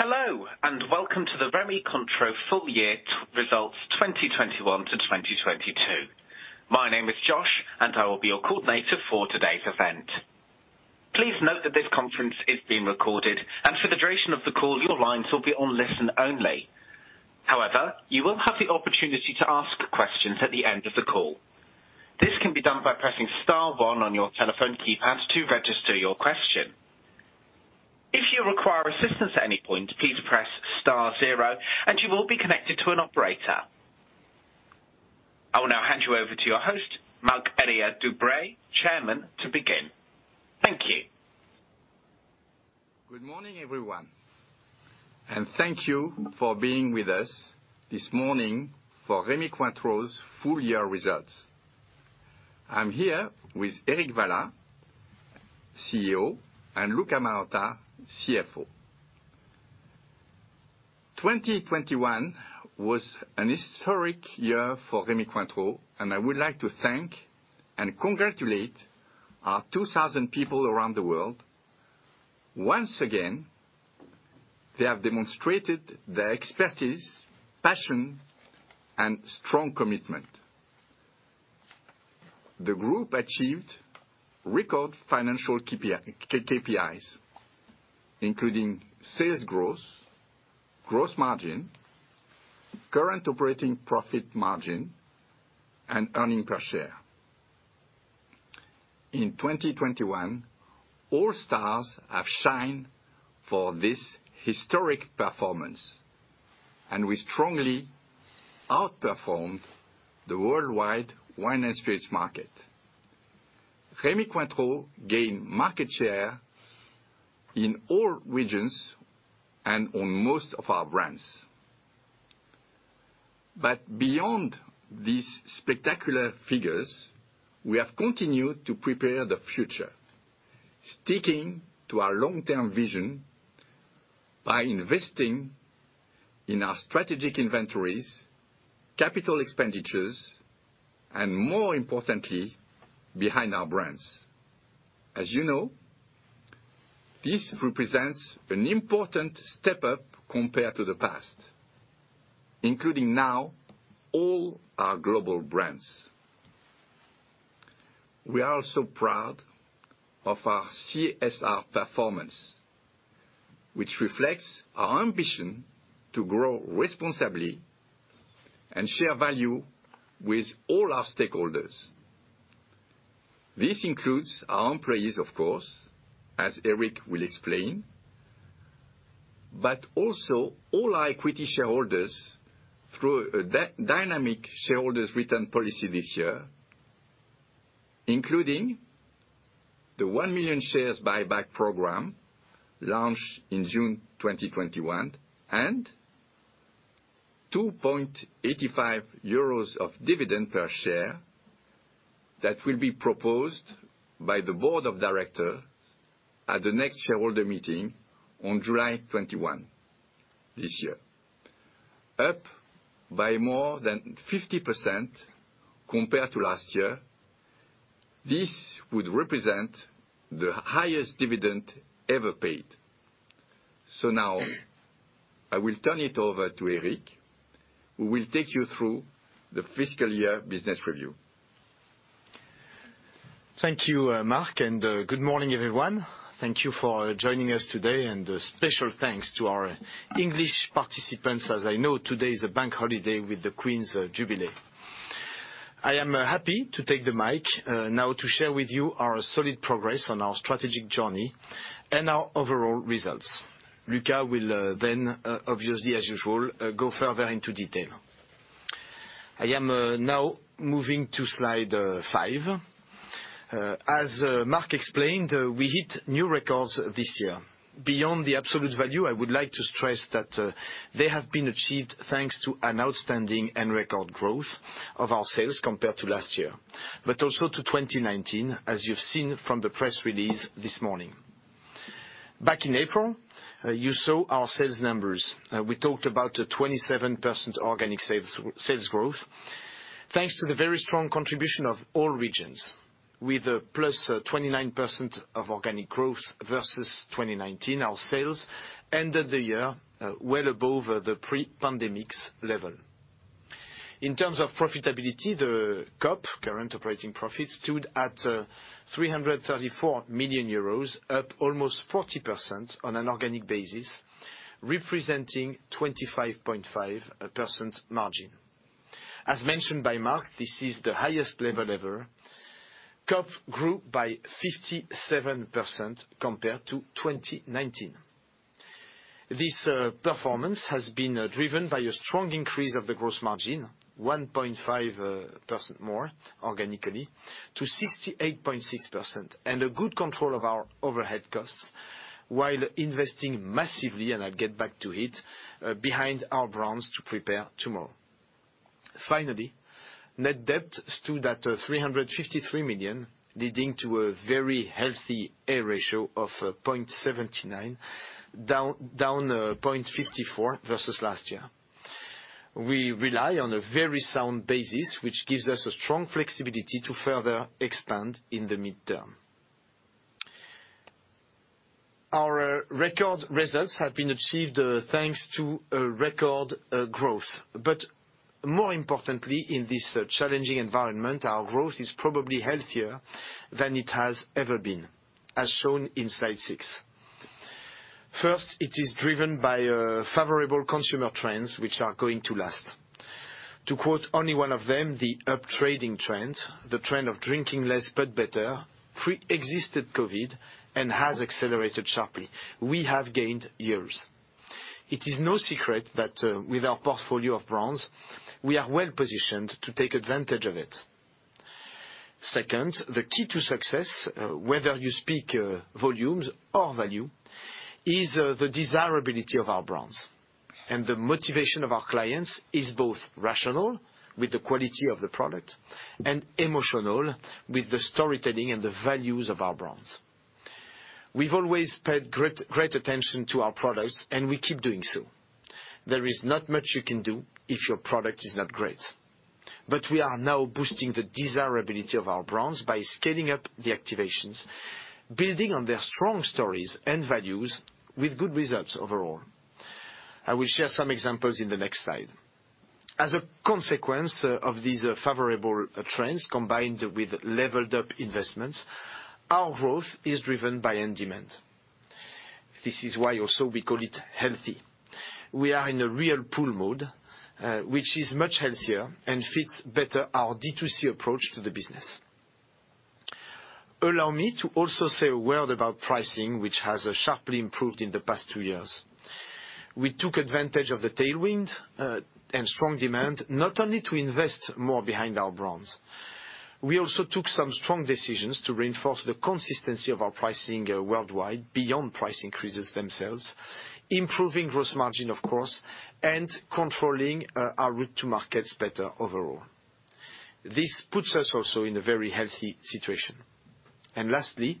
Hello, and welcome to the Rémy Cointreau full year results 2021-2022. My name is Josh, and I will be your coordinator for today's event. Please note that this conference is being recorded, and for the duration of the call, your lines will be on listen only. However, you will have the opportunity to ask questions at the end of the call. This can be done by pressing star one on your telephone keypad to register your question. If you require assistance at any point, please press star zero and you will be connected to an operator. I will now hand you over to your host, Marie-Héléne Dubreuil, Chairman, to begin. Thank you. Good morning, everyone, and thank you for being with us this morning for Rémy Cointreau's full year results. I'm here with Eric Vallat, CEO, and Luca Marotta, CFO. 2021 was an historic year for Rémy Cointreau, and I would like to thank and congratulate our 2,000 people around the world. Once again, they have demonstrated their expertise, passion, and strong commitment. The group achieved record financial KPIs, including sales growth, gross margin, current operating profit margin, and earnings per share. In 2021, all stars have shined for this historic performance, and we strongly outperformed the worldwide wine and spirits market. Rémy Cointreau gained market share in all regions and on most of our brands. Beyond these spectacular figures, we have continued to prepare the future, sticking to our long-term vision by investing in our strategic inventories, capital expenditures, and more importantly, behind our brands. As you know, this represents an important step up compared to the past, including now all our global brands. We are also proud of our CSR performance, which reflects our ambition to grow responsibly and share value with all our stakeholders. This includes our employees, of course, as Eric will explain, but also all our equity shareholders through a dynamic shareholders return policy this year, including the 1 million shares buyback program launched in June 2021, and 2.85 euros dividend per share that will be proposed by the board of director at the next shareholder meeting on July 21 this year, up by more than 50% compared to last year. This would represent the highest dividend ever paid. Now I will turn it over to Eric, who will take you through the fiscal year business review. Thank you, Marc, and good morning, everyone. Thank you for joining us today, and a special thanks to our English participants, as I know today is a bank holiday with the Queen's Jubilee. I am happy to take the mic now to share with you our solid progress on our strategic journey and our overall results. Luca will then obviously, as usual, go further into detail. I am now moving to slide five. As Marc explained, we hit new records this year. Beyond the absolute value, I would like to stress that they have been achieved thanks to an outstanding and record growth of our sales compared to last year, but also to 2019, as you've seen from the press release this morning. Back in April, you saw our sales numbers. We talked about a 27% organic sales growth. Thanks to the very strong contribution of all regions with a +29% organic growth versus 2019, our sales ended the year well above the pre-pandemic level. In terms of profitability, the COP, current operating profit, stood at 334 million euros, up almost 40% on an organic basis, representing 25.5% margin. As mentioned by Marc, this is the highest level ever. COP grew by 57% compared to 2019. This performance has been driven by a strong increase of the gross margin, 1.5% more organically to 68.6%, and a good control of our overhead costs while investing massively, and I'll get back to it, behind our brands to prepare tomorrow. Finally, net debt stood at 353 million, leading to a very healthy a ratio of 0.79, down 0.54 versus last year. We rely on a very sound basis, which gives us a strong flexibility to further expand in the midterm. Our record results have been achieved thanks to a record growth. More importantly, in this challenging environment, our growth is probably healthier than it has ever been, as shown in slide six. First, it is driven by favorable consumer trends, which are going to last. To quote only one of them, the up-trading trend, the trend of drinking less but better, pre-existed COVID and has accelerated sharply. We have gained years. It is no secret that with our portfolio of brands, we are well-positioned to take advantage of it. Second, the key to success, whether you speak volumes or value, is the desirability of our brands. The motivation of our clients is both rational with the quality of the product and emotional with the storytelling and the values of our brands. We've always paid great attention to our products, and we keep doing so. There is not much you can do if your product is not great. We are now boosting the desirability of our brands by scaling up the activations, building on their strong stories and values with good results overall. I will share some examples in the next slide. As a consequence of these favorable trends, combined with leveled-up investments, our growth is driven by end demand. This is why also we call it healthy. We are in a real pull mode, which is much healthier and fits better our D2C approach to the business. Allow me to also say a word about pricing, which has sharply improved in the past two years. We took advantage of the tailwind, and strong demand, not only to invest more behind our brands. We also took some strong decisions to reinforce the consistency of our pricing worldwide beyond price increases themselves, improving gross margin, of course, and controlling, our route to markets better overall. This puts us also in a very healthy situation. Lastly,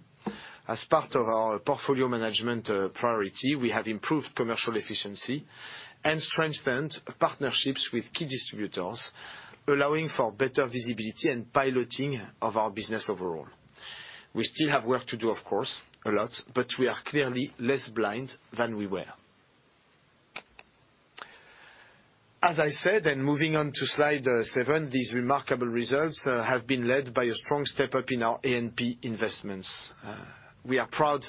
as part of our portfolio management, priority, we have improved commercial efficiency and strengthened partnerships with key distributors, allowing for better visibility and piloting of our business overall. We still have work to do, of course, a lot, but we are clearly less blind than we were. As I said, moving on to slide seven, these remarkable results have been led by a strong step-up in our A&P investments. We are proud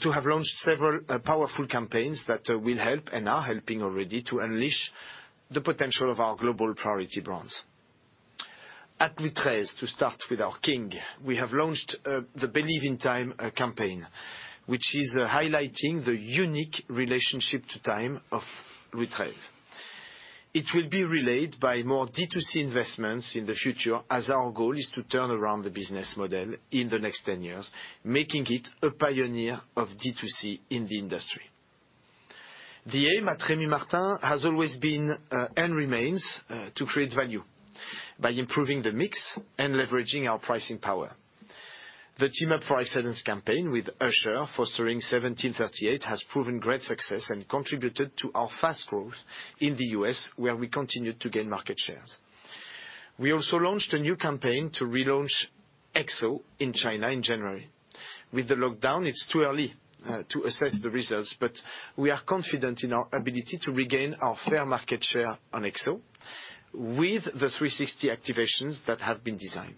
to have launched several powerful campaigns that will help and are helping already to unleash the potential of our global priority brands. At Rémy Martin, to start with our king, we have launched the Believe in Time campaign, which is highlighting the unique relationship to time of Rémy Martin. It will be relayed by more D2C investments in the future as our goal is to turn around the business model in the next 10 years, making it a pioneer of D2C in the industry. The aim at Rémy Martin has always been and remains to create value by improving the mix and leveraging our pricing power. The Team Up for Excellence campaign with Usher featuring 1738 has proven great success and contributed to our fast growth in the U.S., where we continue to gain market shares. We also launched a new campaign to relaunch XO in China in January. With the lockdown, it's too early to assess the results, but we are confident in our ability to regain our fair market share on XO with the 360 activations that have been designed.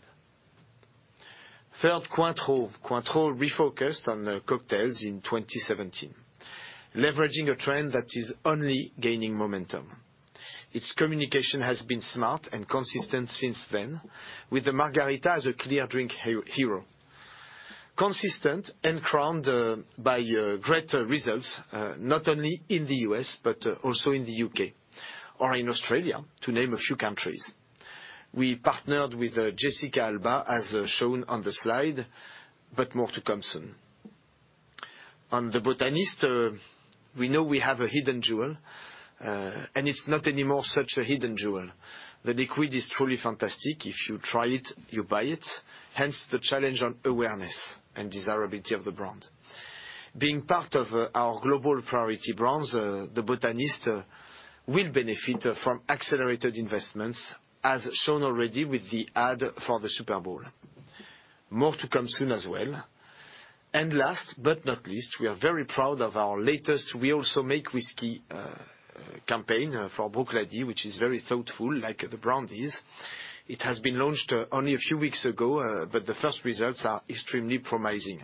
Third, Cointreau. Cointreau refocused on cocktails in 2017, leveraging a trend that is only gaining momentum. Its communication has been smart and consistent since then, with the Margarita as a clear drink hero. Consistent and crowned by great results, not only in the U.S., but also in the U.K. or in Australia, to name a few countries. We partnered with Jessica Alba, as shown on the slide, but more to come soon. On The Botanist, we know we have a hidden jewel, and it's not anymore such a hidden jewel. The liquid is truly fantastic. If you try it, you buy it. Hence, the challenge on awareness and desirability of the brand. Being part of our global priority brands, The Botanist will benefit from accelerated investments as shown already with the ad for the Super Bowl. More to come soon as well. Last but not least, we are very proud of our latest We Also Make Whisky campaign for Bruichladdich, which is very thoughtful, like the brand is. It has been launched only a few weeks ago, but the first results are extremely promising.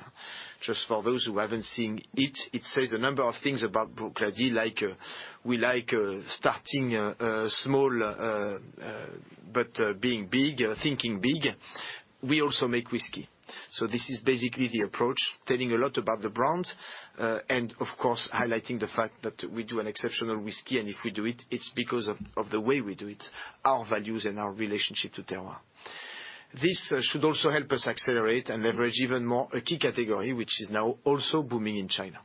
Just for those who haven't seen it says a number of things about Bruichladdich, like, we like starting small but being big, thinking big. We also make whisky. This is basically the approach, telling a lot about the brand, and of course, highlighting the fact that we do an exceptional whisky, and if we do it's because of the way we do it, our values and our relationship to terroir. This should also help us accelerate and leverage even more a key category, which is now also booming in China.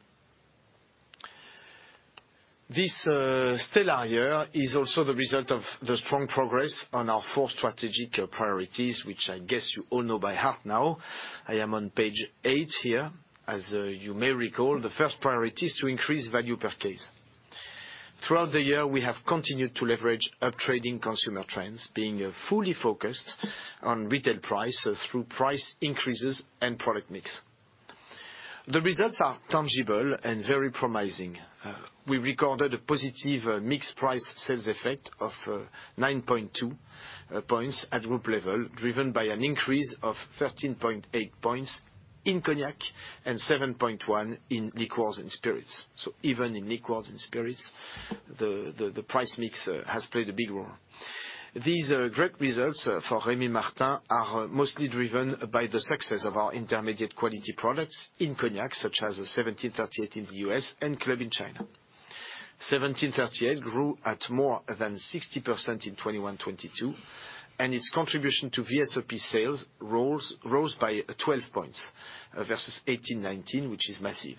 This stellar year is also the result of the strong progress on our four strategic priorities, which I guess you all know by heart now. I am on page eight here. As you may recall, the first priority is to increase value per case. Throughout the year, we have continued to leverage up trading consumer trends, being fully focused on retail price through price increases and product mix. The results are tangible and very promising. We recorded a positive mixed price sales effect of 9.2 points at group level, driven by an increase of 13.8 points in cognac and 7.1 in liquors and spirits. Even in liquors and spirits, the price mix has played a big role. These great results for Rémy Martin are mostly driven by the success of our intermediate quality products in cognac, such as 1738 Accord Royal in the US and Rémy Martin Club in China. 1738 grew at more than 60% in 2021, 2022, and its contribution to VSOP sales rose by 12 points versus 2018, 2019, which is massive.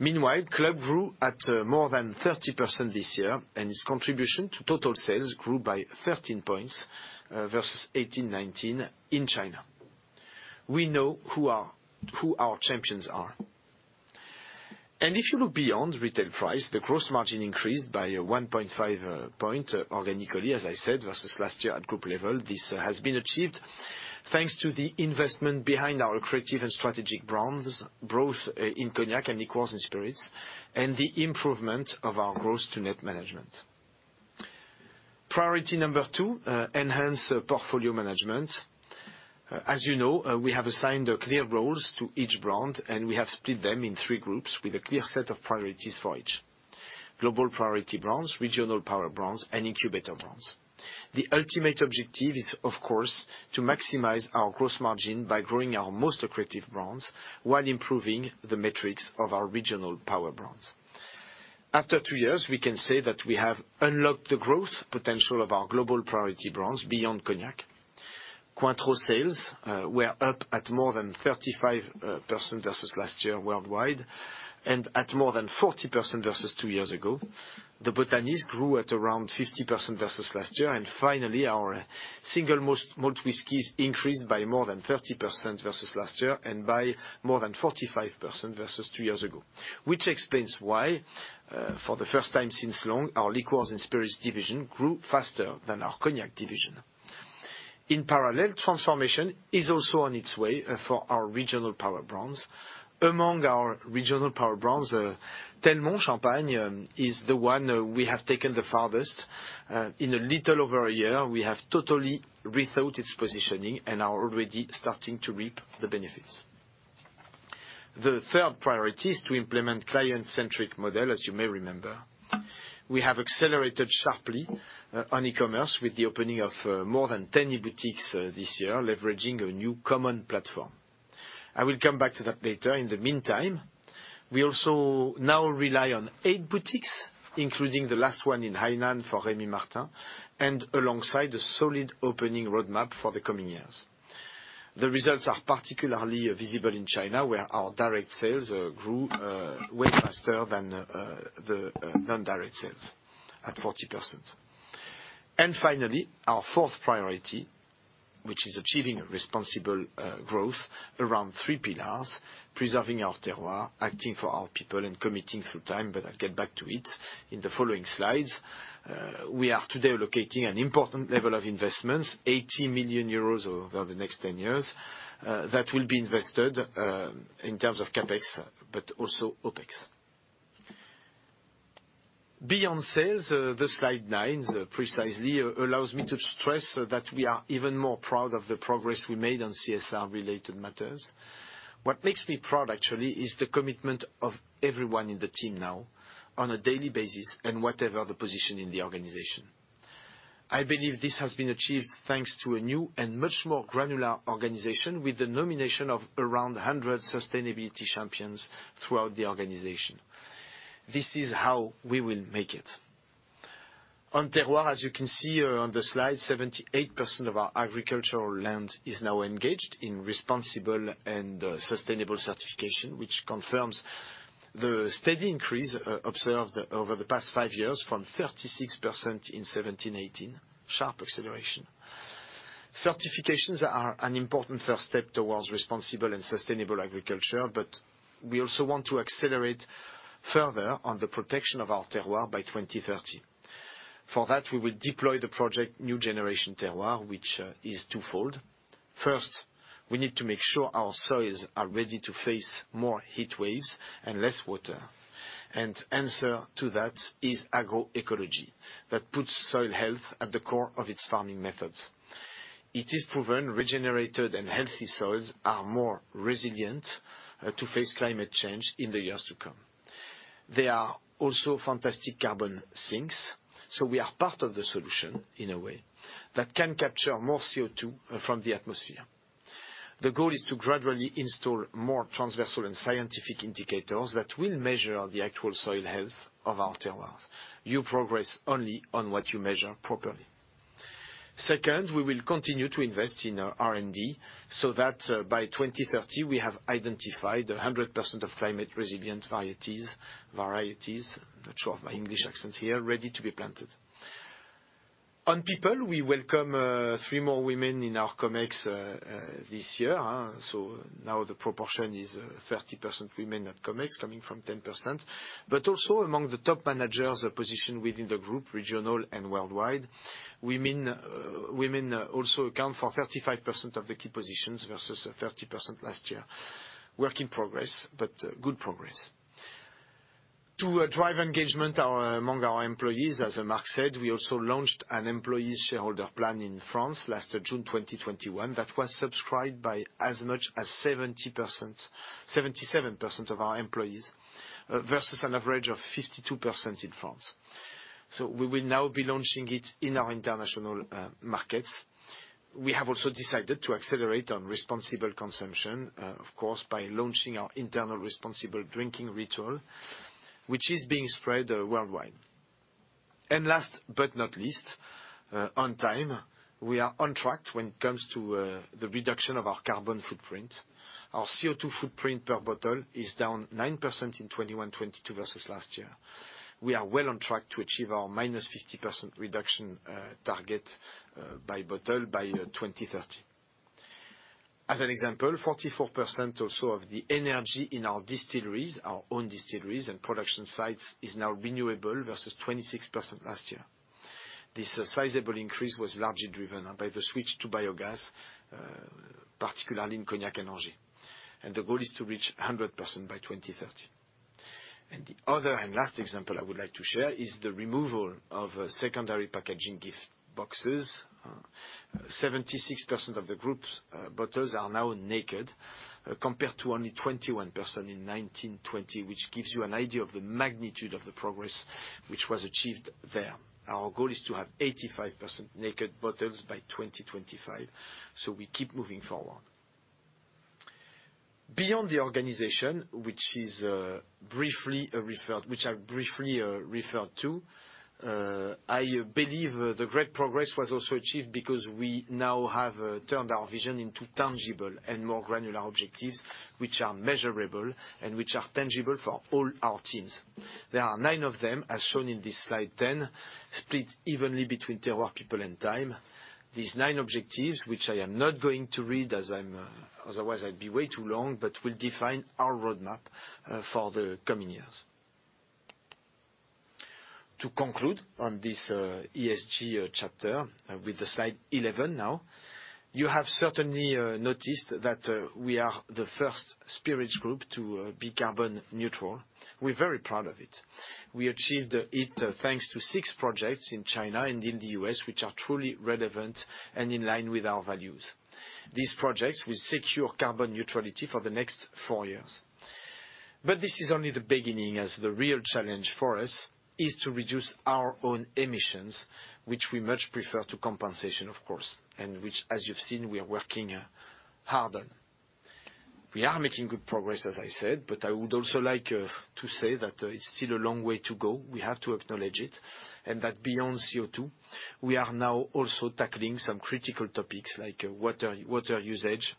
Meanwhile, Club grew at more than 30% this year, and its contribution to total sales grew by 13 points versus 2018, 2019 in China. We know who our champions are. If you look beyond retail price, the gross margin increased by a 1.5 point organically, as I said, versus last year at group level. This has been achieved thanks to the investment behind our creative and strategic brands, growth in cognac and liqueurs and spirits, and the improvement of our gross to net management. Priority number two, enhance portfolio management. As you know, we have assigned clear roles to each brand, and we have split them in three groups with a clear set of priorities for each, global priority brands, regional power brands, and incubator brands. The ultimate objective is, of course, to maximize our gross margin by growing our most accretive brands while improving the metrics of our regional power brands. After two years, we can say that we have unlocked the growth potential of our global priority brands beyond cognac. Cointreau sales were up at more than 35% versus last year worldwide, and at more than 40% versus two years ago. The Botanist grew at around 50% versus last year. Finally, our single malt whiskies increased by more than 30% versus last year and by more than 45% versus two years ago, which explains why, for the first time in a long time, our liquors and spirits division grew faster than our cognac division. In parallel, transformation is also on its way for our regional power brands. Among our regional power brands, Telmont is the one we have taken the farthest. In a little over a year, we have totally rethought its positioning and are already starting to reap the benefits. The third priority is to implement client-centric model, as you may remember. We have accelerated sharply on e-commerce with the opening of more than 10 e-boutiques this year, leveraging a new common platform. I will come back to that later. In the meantime, we also now rely on eight boutiques, including the last one in Hainan for Rémy Martin, and alongside a solid opening roadmap for the coming years. The results are particularly visible in China, where our direct sales grew way faster than the non-direct sales at 40%. Finally, our fourth priority, which is achieving responsible growth around three pillars, preserving our terroir, acting for our people, and committing through time. I'll get back to it in the following slides. We are today allocating an important level of investments, 80 million euros over the next 10 years, that will be invested in terms of CapEx, but also OpEx. Beyond sales, the slide nine precisely allows me to stress that we are even more proud of the progress we made on CSR-related matters. What makes me proud, actually, is the commitment of everyone in the team now on a daily basis and whatever the position in the organization. I believe this has been achieved thanks to a new and much more granular organization with the nomination of around 100 sustainability champions throughout the organization. This is how we will make it. On terroir, as you can see on the slide, 78% of our agricultural land is now engaged in responsible and sustainable certification, which confirms the steady increase observed over the past five years from 36% in 2017, 2018. Sharp acceleration. Certifications are an important first step towards responsible and sustainable agriculture, but we also want to accelerate further on the protection of our terroir by 2030. For that, we will deploy the project New Generation Terroir, which is twofold. First, we need to make sure our soils are ready to face more heat waves and less water. The answer to that is agroecology. That puts soil health at the core of its farming methods. It is proven regenerated and healthy soils are more resilient to face climate change in the years to come. They are also fantastic carbon sinks, so we are part of the solution in a way that can capture more CO2 from the atmosphere. The goal is to gradually install more transversal and scientific indicators that will measure the actual soil health of our terroirs. You progress only on what you measure properly. Second, we will continue to invest in our R&D so that by 2030 we have identified 100% of climate resilient varieties, not sure of my English accent here, ready to be planted. On people, we welcome 3 more women in our Comex this year, so now the proportion is 30% women at Comex, coming from 10%. Also among the top managers, their position within the group, regional and worldwide, women also account for 35% of the key positions versus 30% last year. Work in progress, but good progress. To drive engagement among our employees, as Marc said, we also launched an employee shareholder plan in France last June 2021 that was subscribed by as much as 77% of our employees versus an average of 52% in France. We will now be launching it in our international markets. We have also decided to accelerate on responsible consumption, of course, by launching our internal responsible drinking ritual, which is being spread worldwide. Last but not least, on time, we are on track when it comes to the reduction of our carbon footprint. Our CO2 footprint per bottle is down 9% in 2021-22 versus last year. We are well on track to achieve our -50% reduction target by bottle by 2030. As an example, 44% also of the energy in our distilleries, our own distilleries and production sites, is now renewable versus 26% last year. This sizable increase was largely driven by the switch to biogas, particularly in Cognac and Angers, and the goal is to reach 100% by 2030. The other and last example I would like to share is the removal of secondary packaging gift boxes. 76% of the Group's bottles are now naked, compared to only 21% in nineteen-twenty, which gives you an idea of the magnitude of the progress which was achieved there. Our goal is to have 85% naked bottles by 2025, so we keep moving forward. Beyond the organization, which I briefly referred to, I believe the great progress was also achieved because we now have turned our vision into tangible and more granular objectives, which are measurable and which are tangible for all our teams. There are nine of them, as shown in this slide 10, split evenly between terroir, people, and time. These nine objectives, which I am not going to read, as I'm otherwise I'd be way too long, but will define our roadmap for the coming years. To conclude on this ESG chapter with the slide 11 now, you have certainly noticed that we are the first spirits group to be carbon neutral. We're very proud of it. We achieved it thanks to six projects in China and in the US, which are truly relevant and in line with our values. These projects will secure carbon neutrality for the next four years. This is only the beginning, as the real challenge for us is to reduce our own emissions, which we much prefer to compensation, of course, and which, as you've seen, we are working hard on. We are making good progress, as I said, but I would also like to say that it's still a long way to go. We have to acknowledge it, and that beyond CO2, we are now also tackling some critical topics like water usage,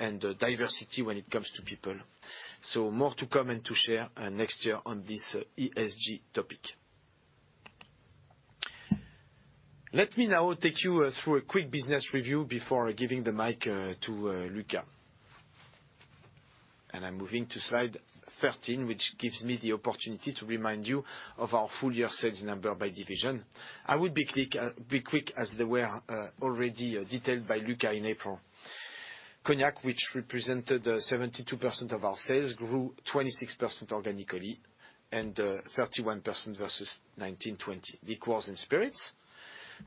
and diversity when it comes to people. More to come and to share next year on this ESG topic. Let me now take you through a quick business review before giving the mic to Luca. I'm moving to slide 13, which gives me the opportunity to remind you of our full year sales number by division. I will be quick as they were already detailed by Luca in April. Cognac, which represented 72% of our sales, grew 26% organically and 31% versus 2019, 2020. Liqueurs and Spirits,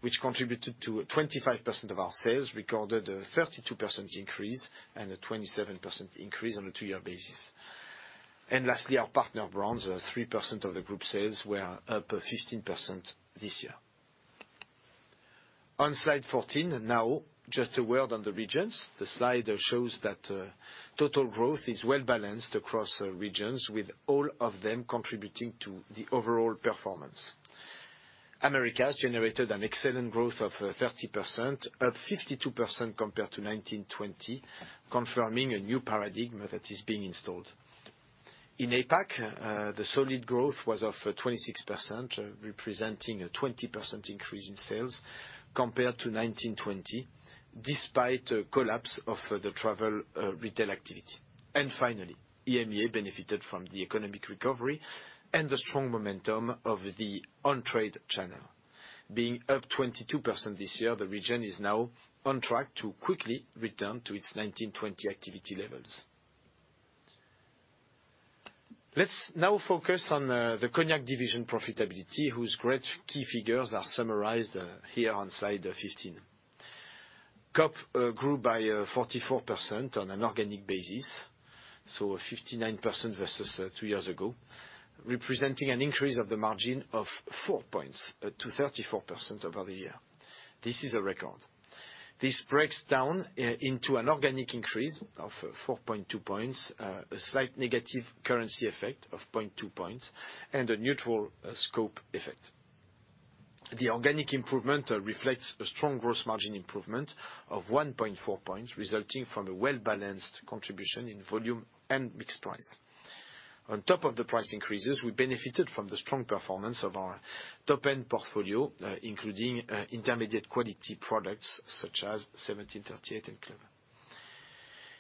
which contributed to 25% of our sales, recorded a 32% increase and a 27% increase on a two-year basis. Lastly, our partner brands, 3% of the group sales were up 15% this year. On slide 14, now just a word on the regions. The slide shows that total growth is well balanced across regions with all of them contributing to the overall performance. Americas generated an excellent growth of 30%, up 52% compared to 2019-20, confirming a new paradigm that is being installed. In APAC, the solid growth was of 26%, representing a 20% increase in sales compared to 2019-20, despite a collapse of the travel retail activity. Finally, EMEA benefited from the economic recovery and the strong momentum of the on-trade channel. Being up 22% this year, the region is now on track to quickly return to its 2019-20 activity levels. Let's now focus on the Cognac division profitability, whose great key figures are summarized here on slide 15. COP grew by 44% on an organic basis, so 59% versus two years ago, representing an increase of the margin of four points to 34% over the year. This is a record. This breaks down into an organic increase of 4.2 points, a slight negative currency effect of 0.2 points, and a neutral scope effect. The organic improvement reflects a strong gross margin improvement of 1.4 points, resulting from a well-balanced contribution in volume, mix, and price. On top of the price increases, we benefited from the strong performance of our top-end portfolio, including intermediate quality products such as 1738 and Club.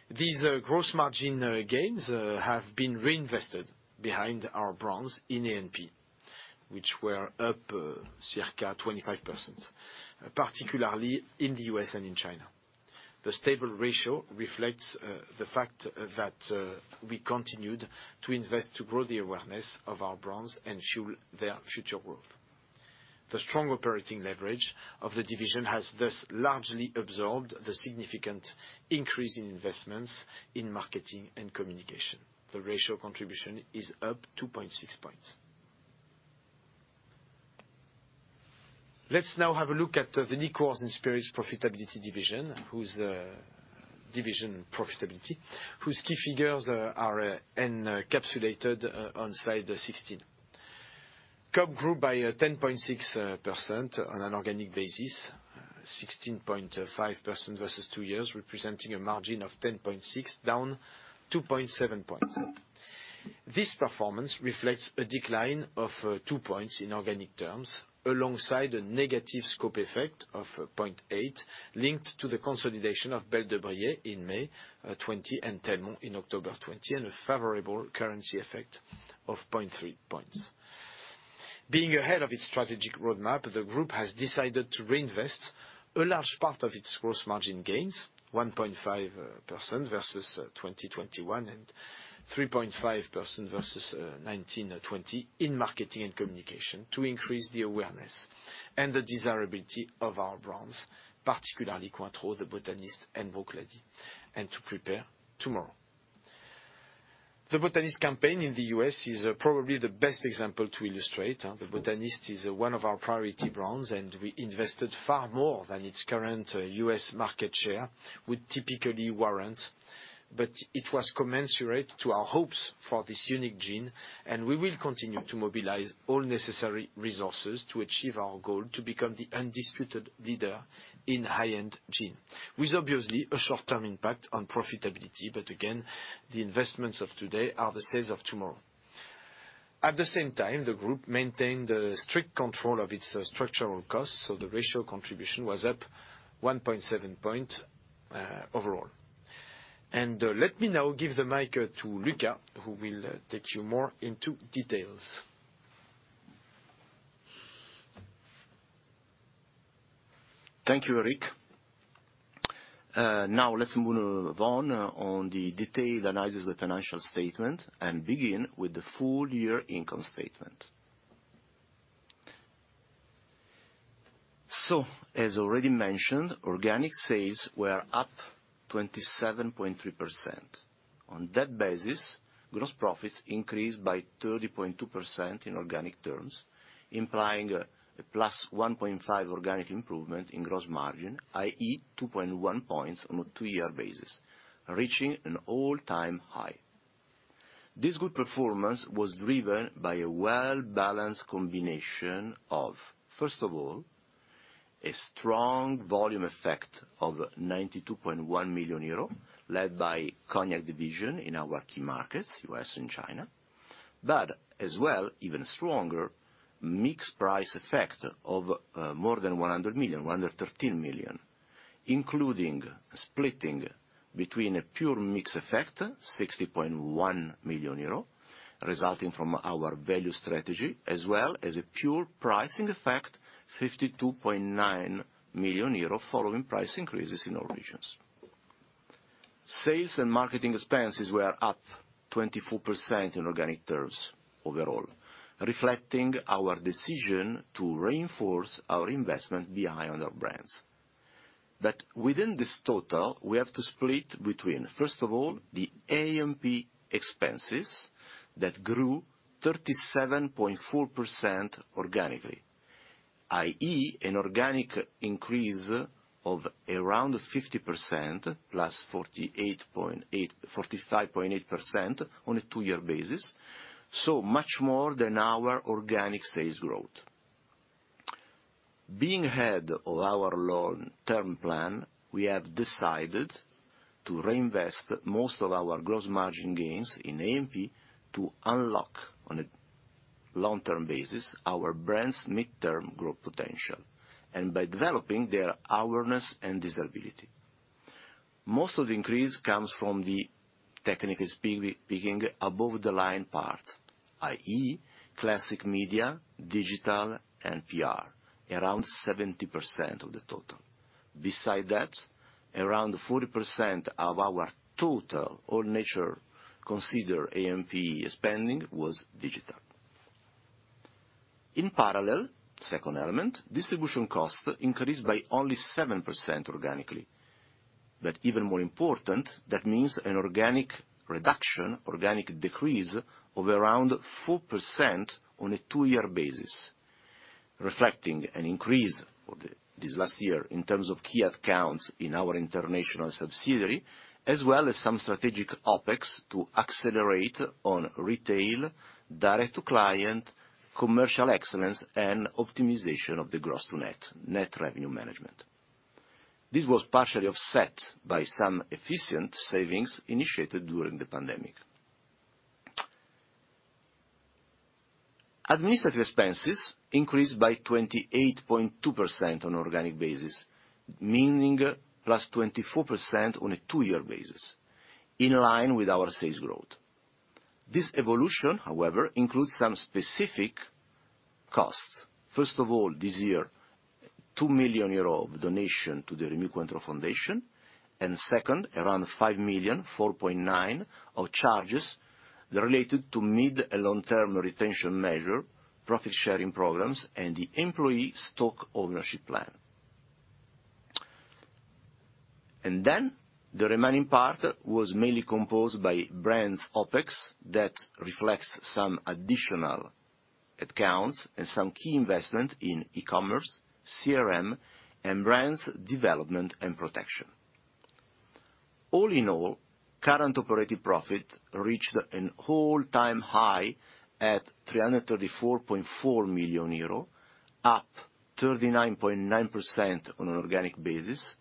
These gross margin gains have been reinvested behind our brands in A&P, which were up circa 25%, particularly in the U.S. and in China. The stable ratio reflects the fact that we continued to invest to grow the awareness of our brands and fuel their future growth. The strong operating leverage of the division has thus largely absorbed the significant increase in investments in marketing and communication. The ratio contribution is up 2.6 points. Let's now have a look at the Liqueurs and Spirits profitability division, whose key figures are encapsulated on slide 16. COP grew by 10.6% on an organic basis, 16.5% versus two years, representing a margin of 10.6%, down 2.7 points. This performance reflects a decline of two points in organic terms alongside a negative scope effect of 0.8, linked to the consolidation of Belle de Brillet in May 2020 and Telmont in October 2020, and a favorable currency effect of 0.3 points. Being ahead of its strategic roadmap, the group has decided to reinvest a large part of its gross margin gains, 1.5% versus 2021 and 3.5% versus 2019-20, in marketing and communication to increase the awareness and the desirability of our brands, particularly Cointreau, The Botanist, and Vauquelin, and to prepare tomorrow. The Botanist campaign in the U.S. is probably the best example to illustrate. The Botanist is one of our priority brands, and we invested far more than its current U.S. market share would typically warrant. It was commensurate to our hopes for this unique gin, and we will continue to mobilize all necessary resources to achieve our goal to become the undisputed leader in high-end gin, with obviously a short-term impact on profitability. Again, the investments of today are the sales of tomorrow. At the same time, the group maintained a strict control of its structural costs, so the ratio contribution was up 1.7 points overall. Let me now give the mic to Luca, who will take you more into details. Thank you, Eric. Now let's move on to the detailed analysis of the financial statement and begin with the full-year income statement. As already mentioned, organic sales were up 27.3%. On that basis, gross profits increased by 30.2% in organic terms, implying a +1.5 organic improvement in gross margin, i.e., 2.1 points on a two-year basis, reaching an all-time high. This good performance was driven by a well-balanced combination of, first of all, a strong volume effect of 92.1 million euro, led by cognac division in our key markets, U.S. and China. As well, even stronger mixed price effect of more than 100 million, 113 million, including splitting between a pure mix effect, 60.1 million euro, resulting from our value strategy, as well as a pure pricing effect, 52.9 million euro, following price increases in all regions. Sales and marketing expenses were up 24% in organic terms overall, reflecting our decision to reinforce our investment behind our brands. Within this total, we have to split between, first of all, the A&P expenses that grew 37.4% organically, i.e., an organic increase of around 50% plus 45.8% on a two-year basis, so much more than our organic sales growth. Being ahead of our long-term plan, we have decided to reinvest most of our gross margin gains in A&P to unlock on a long-term basis our brand's midterm growth potential and by developing their awareness and desirability. Most of the increase comes from the, technically speaking, above the line part, i.e., classic media, digital, and PR, around 70% of the total. Besides that, around 40% of our total, all natures considered, A&P spending was digital. In parallel, second element, distribution costs increased by only 7% organically. Even more important, that means an organic reduction, organic decrease of around 4% on a two-year basis, reflecting an increase this last year in terms of key accounts in our international subsidiary, as well as some strategic OpEx to accelerate on retail, direct to client, commercial excellence, and optimization of the gross to net revenue management. This was partially offset by some efficient savings initiated during the pandemic. Administrative expenses increased by 28.2% on organic basis, meaning +24% on a two-year basis, in line with our sales growth. This evolution, however, includes some specific costs. First of all, this year, 2 million euro of donation to the Rémy Cointreau Foundation. Second, around 5.49 million of charges related to mid- and long-term retention measure, profit sharing programs, and the employee stock ownership plan. The remaining part was mainly composed by brands OpEx that reflects some additional accounts and some key investment in e-commerce, CRM, and brands development and protection. All in all, current operating profit reached an all-time high at 334.4 million euro, up 39.9% on an organic basis,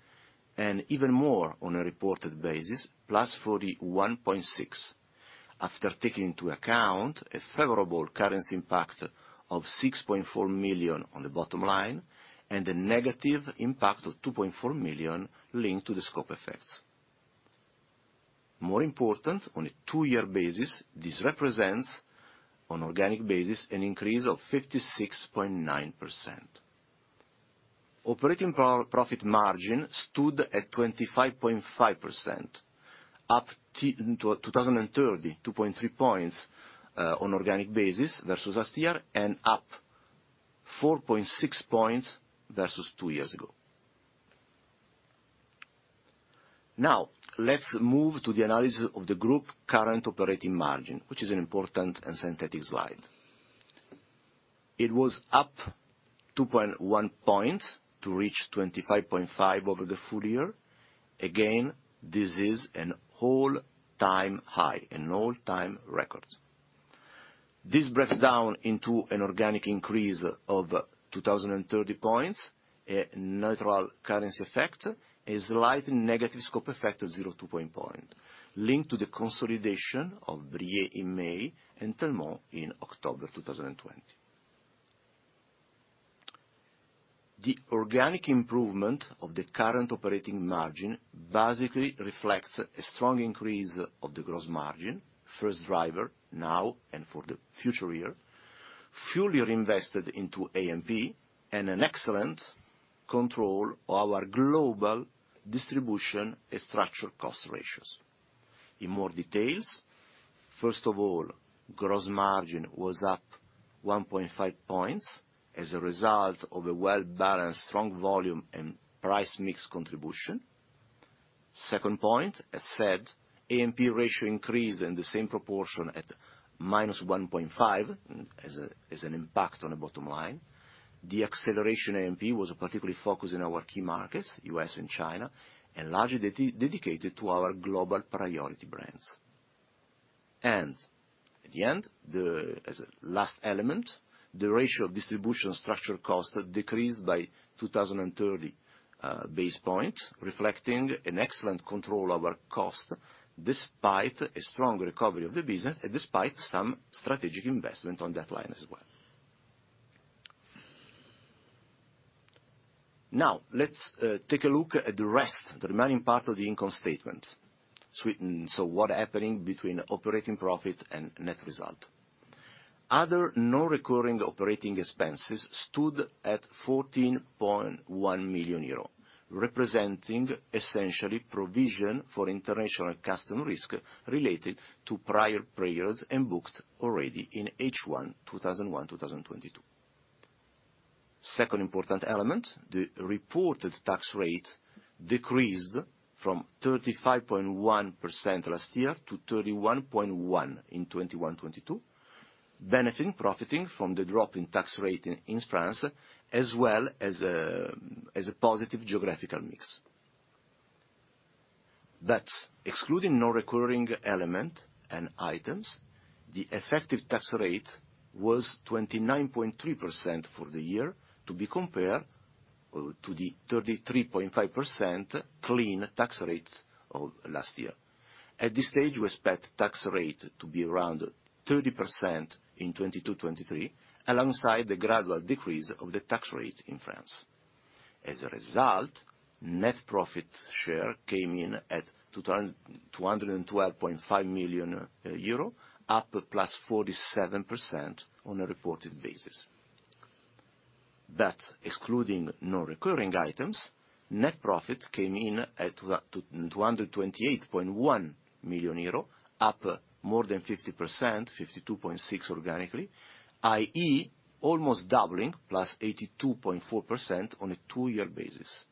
and even more on a reported basis, plus 41.6%, after taking into account a favorable currency impact of 6.4 million on the bottom line and a negative impact of 2.4 million linked to the scope effects. More important, on a two-year basis, this represents, on organic basis, an increase of 56.9%. Operating profit margin stood at 25.5%, up 2.3 points on organic basis versus last year and up 4.6 points versus two years ago. Now, let's move to the analysis of the group current operating margin, which is an important and synthetic slide. It was up 2.1 points to reach 25.5% over the full year. Again, this is an all-time high, an all-time record. This breaks down into an organic increase of 2.3 points, a neutral currency effect, a slight negative scope effect of -0.2 points linked to the consolidation of Brillet in May and Telmont in October of 2020. The organic improvement of the current operating margin basically reflects a strong increase of the gross margin, first driver now and for the future year, fully reinvested into A&P and an excellent control of our global distribution and structural cost ratios. In more details, first of all, gross margin was up 1.5 points as a result of a well-balanced strong volume and price mix contribution. Second point, as said, A&P ratio increase in the same proportion at -1.5 as an impact on the bottom line. The acceleration A&P was particularly focused in our key markets, U.S. and China, and largely dedicated to our global priority brands. At the end, as a last element, the ratio of distribution structural cost decreased by 2,030 basis points, reflecting an excellent control over cost despite a strong recovery of the business and despite some strategic investment on that line as well. Now, let's take a look at the rest, the remaining part of the income statement. What's happening between operating profit and net result. Other non-recurring operating expenses stood at 14.1 million euro, representing essentially provision for international customs risk related to prior periods and booked already in H1 2021-2022. Second important element, the reported tax rate decreased from 35.1% last year to 31.1% in 2021-2022, benefiting from the drop in tax rate in France as well as a positive geographical mix. Excluding non-recurring elements and items, the effective tax rate was 29.3% for the year to be compared to the 33.5% clean tax rates of last year. At this stage, we expect tax rate to be around 30% in 2022, 2023, alongside the gradual decrease of the tax rate in France. As a result, net profit share came in at 212.5 million euro, up +47% on a reported basis. Excluding non-recurring items, net profit came in at 228.1 million euro, up more than 50%, 52.6% organically, i.e., almost doubling, +82.4% on a two-year basis.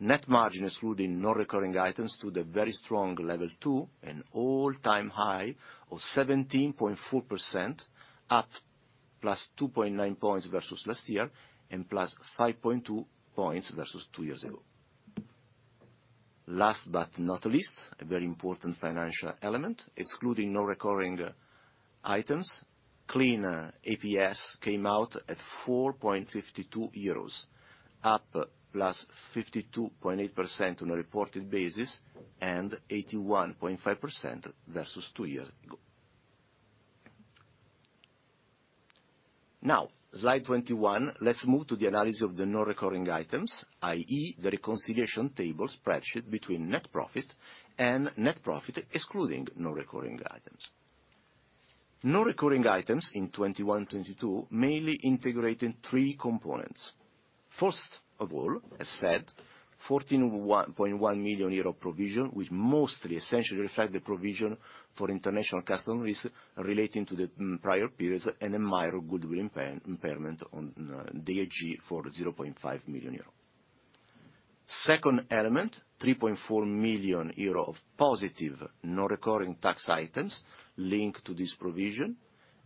Net margin excluding non-recurring items to the very strong level too, an all-time high of 17.4% at +2.9 points versus last year and +5.2 points versus two years ago. Last but not least, a very important financial element, excluding non-recurring items, clean EPS came out at 4.52 euros, up +52.8% on a reported basis and 81.5% versus two years ago. Now, slide 21, let's move to the analysis of the non-recurring items, i.e., the reconciliation table spreadsheet between net profit and net profit excluding non-recurring items. Non-recurring items in 2021, 2022 mainly integrated three components. First of all, as said, 14.1 million euro provision, which mostly essentially reflect the provision for international customer risk relating to the prior periods and a minor goodwill impairment on DHG for 0.5 million euro. Second element, 3.4 million euro of positive non-recurring tax items linked to this provision.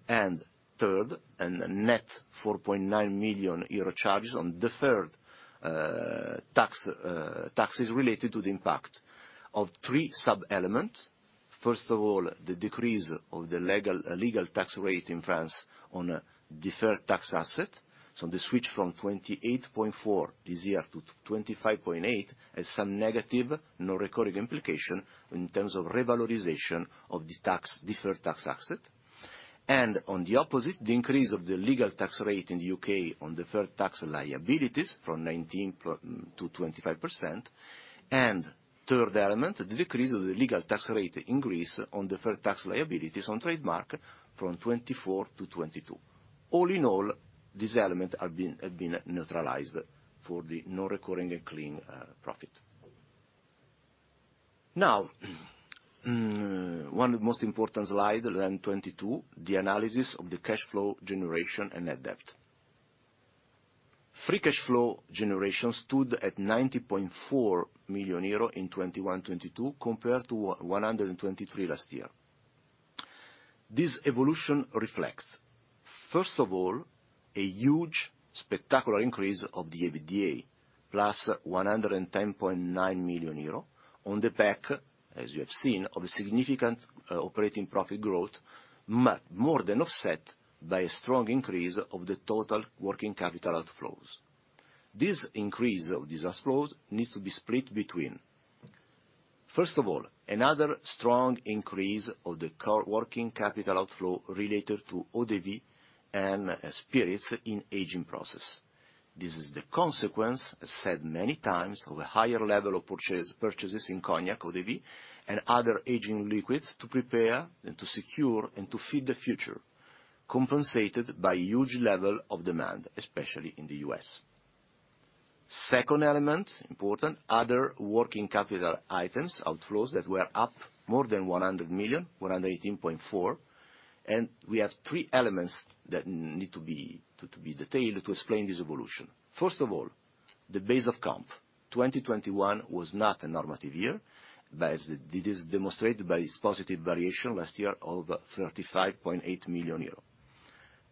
Third, a net 4.9 million euro charges on deferred taxes related to the impact of three sub-elements. First of all, the decrease of the legal tax rate in France on a deferred tax asset. The switch from 28.4 this year to 25.8 has some negative non-recurring implication in terms of revalorization of the deferred tax asset. On the opposite, the increase of the legal tax rate in the U.K. on deferred tax liabilities from 19 to 25%. Third element, the decrease of the legal tax rate increase on deferred tax liabilities on trademark from 24 to 22. All in all, these elements have been neutralized for the non-recurring and clean profit. Now, one of the most important slide in 2022, the analysis of the cash flow generation and net debt. Free cash flow generation stood at 90.4 million euro in 2021-2022, compared to 123 million last year. This evolution reflects, first of all, a huge spectacular increase of the EBITDA, plus 110.9 million euro on the back, as you have seen, of a significant operating profit growth, but more than offset by a strong increase of the total working capital outflows. This increase of these outflows needs to be split between, first of all, another strong increase of the working capital outflow related to eau de vie and spirits in aging process. This is the consequence, said many times, of a higher level of purchases in cognac, eau de vie, and other aging liquids to prepare and to secure and to feed the future, compensated by huge level of demand, especially in the US. Second element, important, other working capital items, outflows that were up more than 100 million, 118.4 million. We have three elements that need to be detailed to explain this evolution. First of all, the base of comp. 2021 was not a normative year, but as this is demonstrated by its positive variation last year of 35.8 million euros.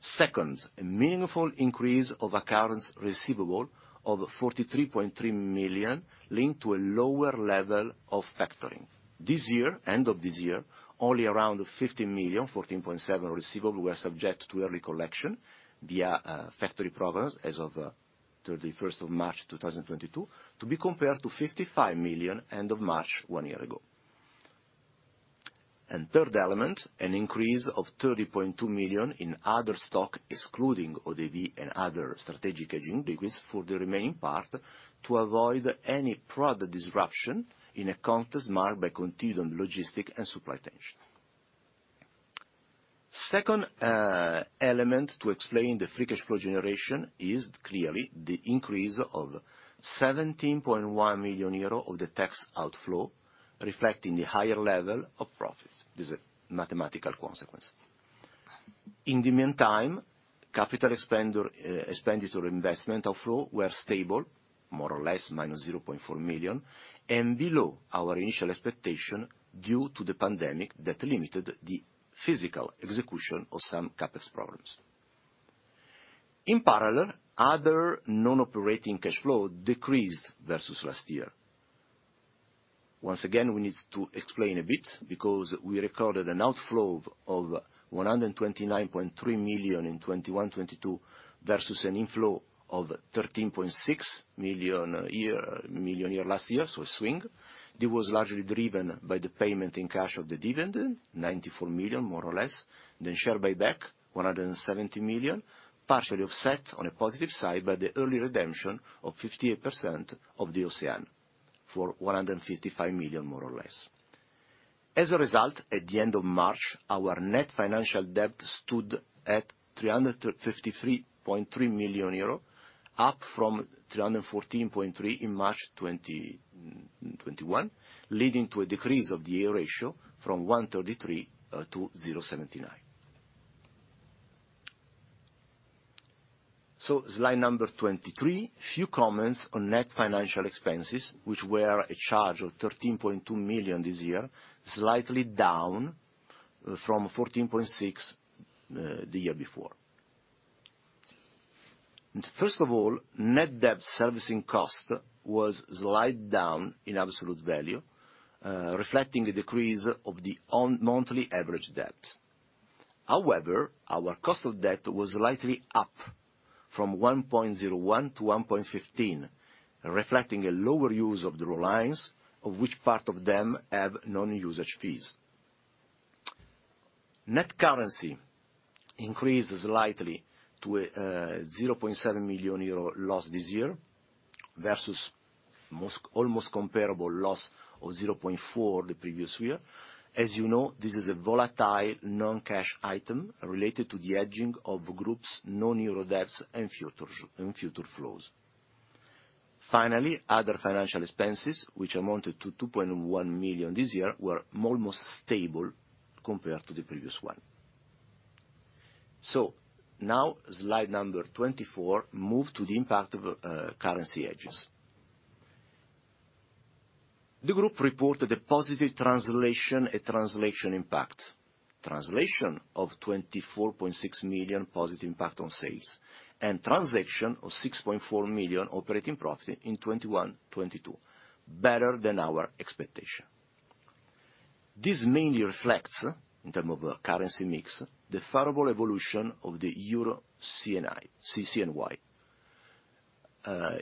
Second, a meaningful increase of accounts receivable of 43.3 million linked to a lower level of factoring. This year, end of this year, only around 50 million, 14.7 million receivable were subject to early collection via factoring programs as of 31 March 2022, to be compared to 55 million end of March one year ago. Third element, an increase of 30.2 million in other stock, excluding eau de vie and other strategic aging liquids for the remaining part to avoid any product disruption in a context marked by continued logistics and supply tensions. Second element to explain the free cash flow generation is clearly the increase of 17.1 million euro of the tax outflow, reflecting the higher level of profits. This is a mathematical consequence. In the meantime, capital expenditure investment outflow were stable, more or less -0.4 million, and below our initial expectation due to the pandemic that limited the physical execution of some CapEx programs. In parallel, other non-operating cash flow decreased versus last year. Once again, we need to explain a bit because we recorded an outflow of 129.3 million in 2021-2022 versus an inflow of 13.6 million a year last year, so a swing. This was largely driven by the payment in cash of the dividend, 94 million, more or less. Share buyback, 170 million, partially offset on a positive side by the early redemption of 58% of the OCEANE for 155 million, more or less. As a result, at the end of March, our net financial debt stood at 353.3 million euro, up from 314.3 million in March 2021, leading to a decrease of the gearing ratio from 1.33 to 0.79. Slide number 23, few comments on net financial expenses, which were a charge of 13.2 million this year, slightly down from 14.6 million the year before. First of all, net debt servicing cost slid down in absolute value, reflecting a decrease of the ongoing monthly average debt. However, our cost of debt was slightly up from 1.01 to 1.15, reflecting a lower use of the lines of which part of them have non-usage fees. Net currency increased slightly to 0.7 million euro loss this year versus almost comparable loss of 0.4 the previous year. As you know, this is a volatile non-cash item related to the hedging of group's non-euro debts and future flows. Finally, other financial expenses, which amounted to 2.1 million this year, were almost stable compared to the previous one. Now slide 24, move to the impact of currency hedges. The group reported a positive translation impact. 24.6 million positive impact on sales, and contribution of 6.4 million operating profit in 2021-22, better than our expectation. This mainly reflects, in terms of currency mix, the favorable evolution of the Euro-CNY.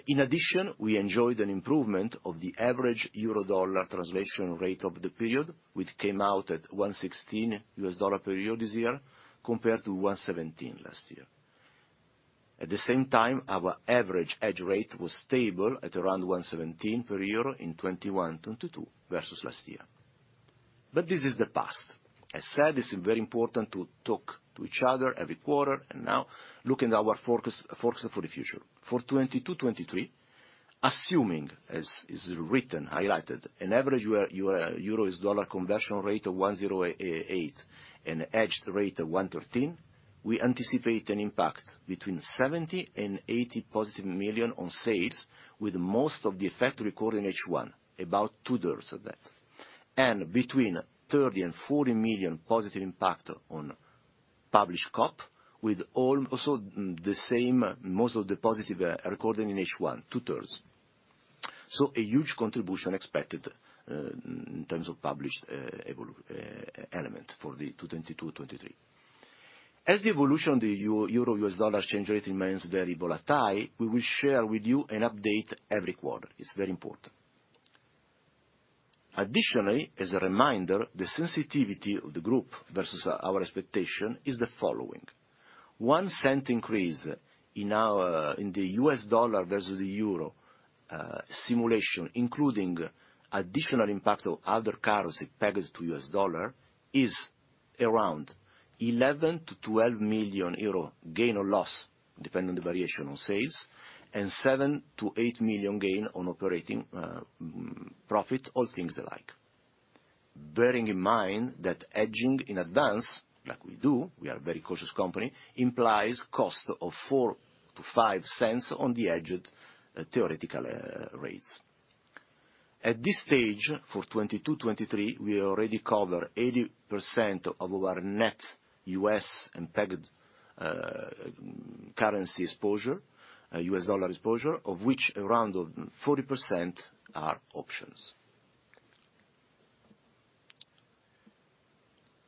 In addition, we enjoyed an improvement of the average Euro-dollar translation rate of the period, which came out at $1.16 per euro this year compared to $1.17 last year. At the same time, our average hedge rate was stable at around $1.17 per euro in 2021-22 versus last year. This is the past. I said this is very important to talk to each other every quarter and now looking at our focus for the future. For 2022, 2023, assuming as is written, highlighted, an average Euro-dollar conversion rate of 1.08 and a hedged rate of 1.13, we anticipate an impact between 70 and 80 million positive on sales, with most of the effect recorded in H1, about two-thirds of that. Between 30 and 40 million positive impact on published COP, with also the same most of the positive recorded in H1, two-thirds. A huge contribution expected in terms of published evolution for the two 2022, 2023. As the evolution of the Euro, US dollar exchange rate remains very volatile, we will share with you an update every quarter. It's very important. Additionally, as a reminder, the sensitivity of the group versus our expectation is the following. One cent increase in the US dollar versus the euro, simulation, including additional impact of other currency pegged to US dollar, is around 11-12 million euro gain or loss, depending on the variation on sales, and 7-8 million gain on operating profit, all things equal. Bearing in mind that hedging in advance, like we do, we are a very cautious company, implies cost of four-five cents on the hedged theoretical rates. At this stage, for 2022, 2023, we already cover 80% of our net US and pegged currency exposure, US dollar exposure, of which around 40% are options.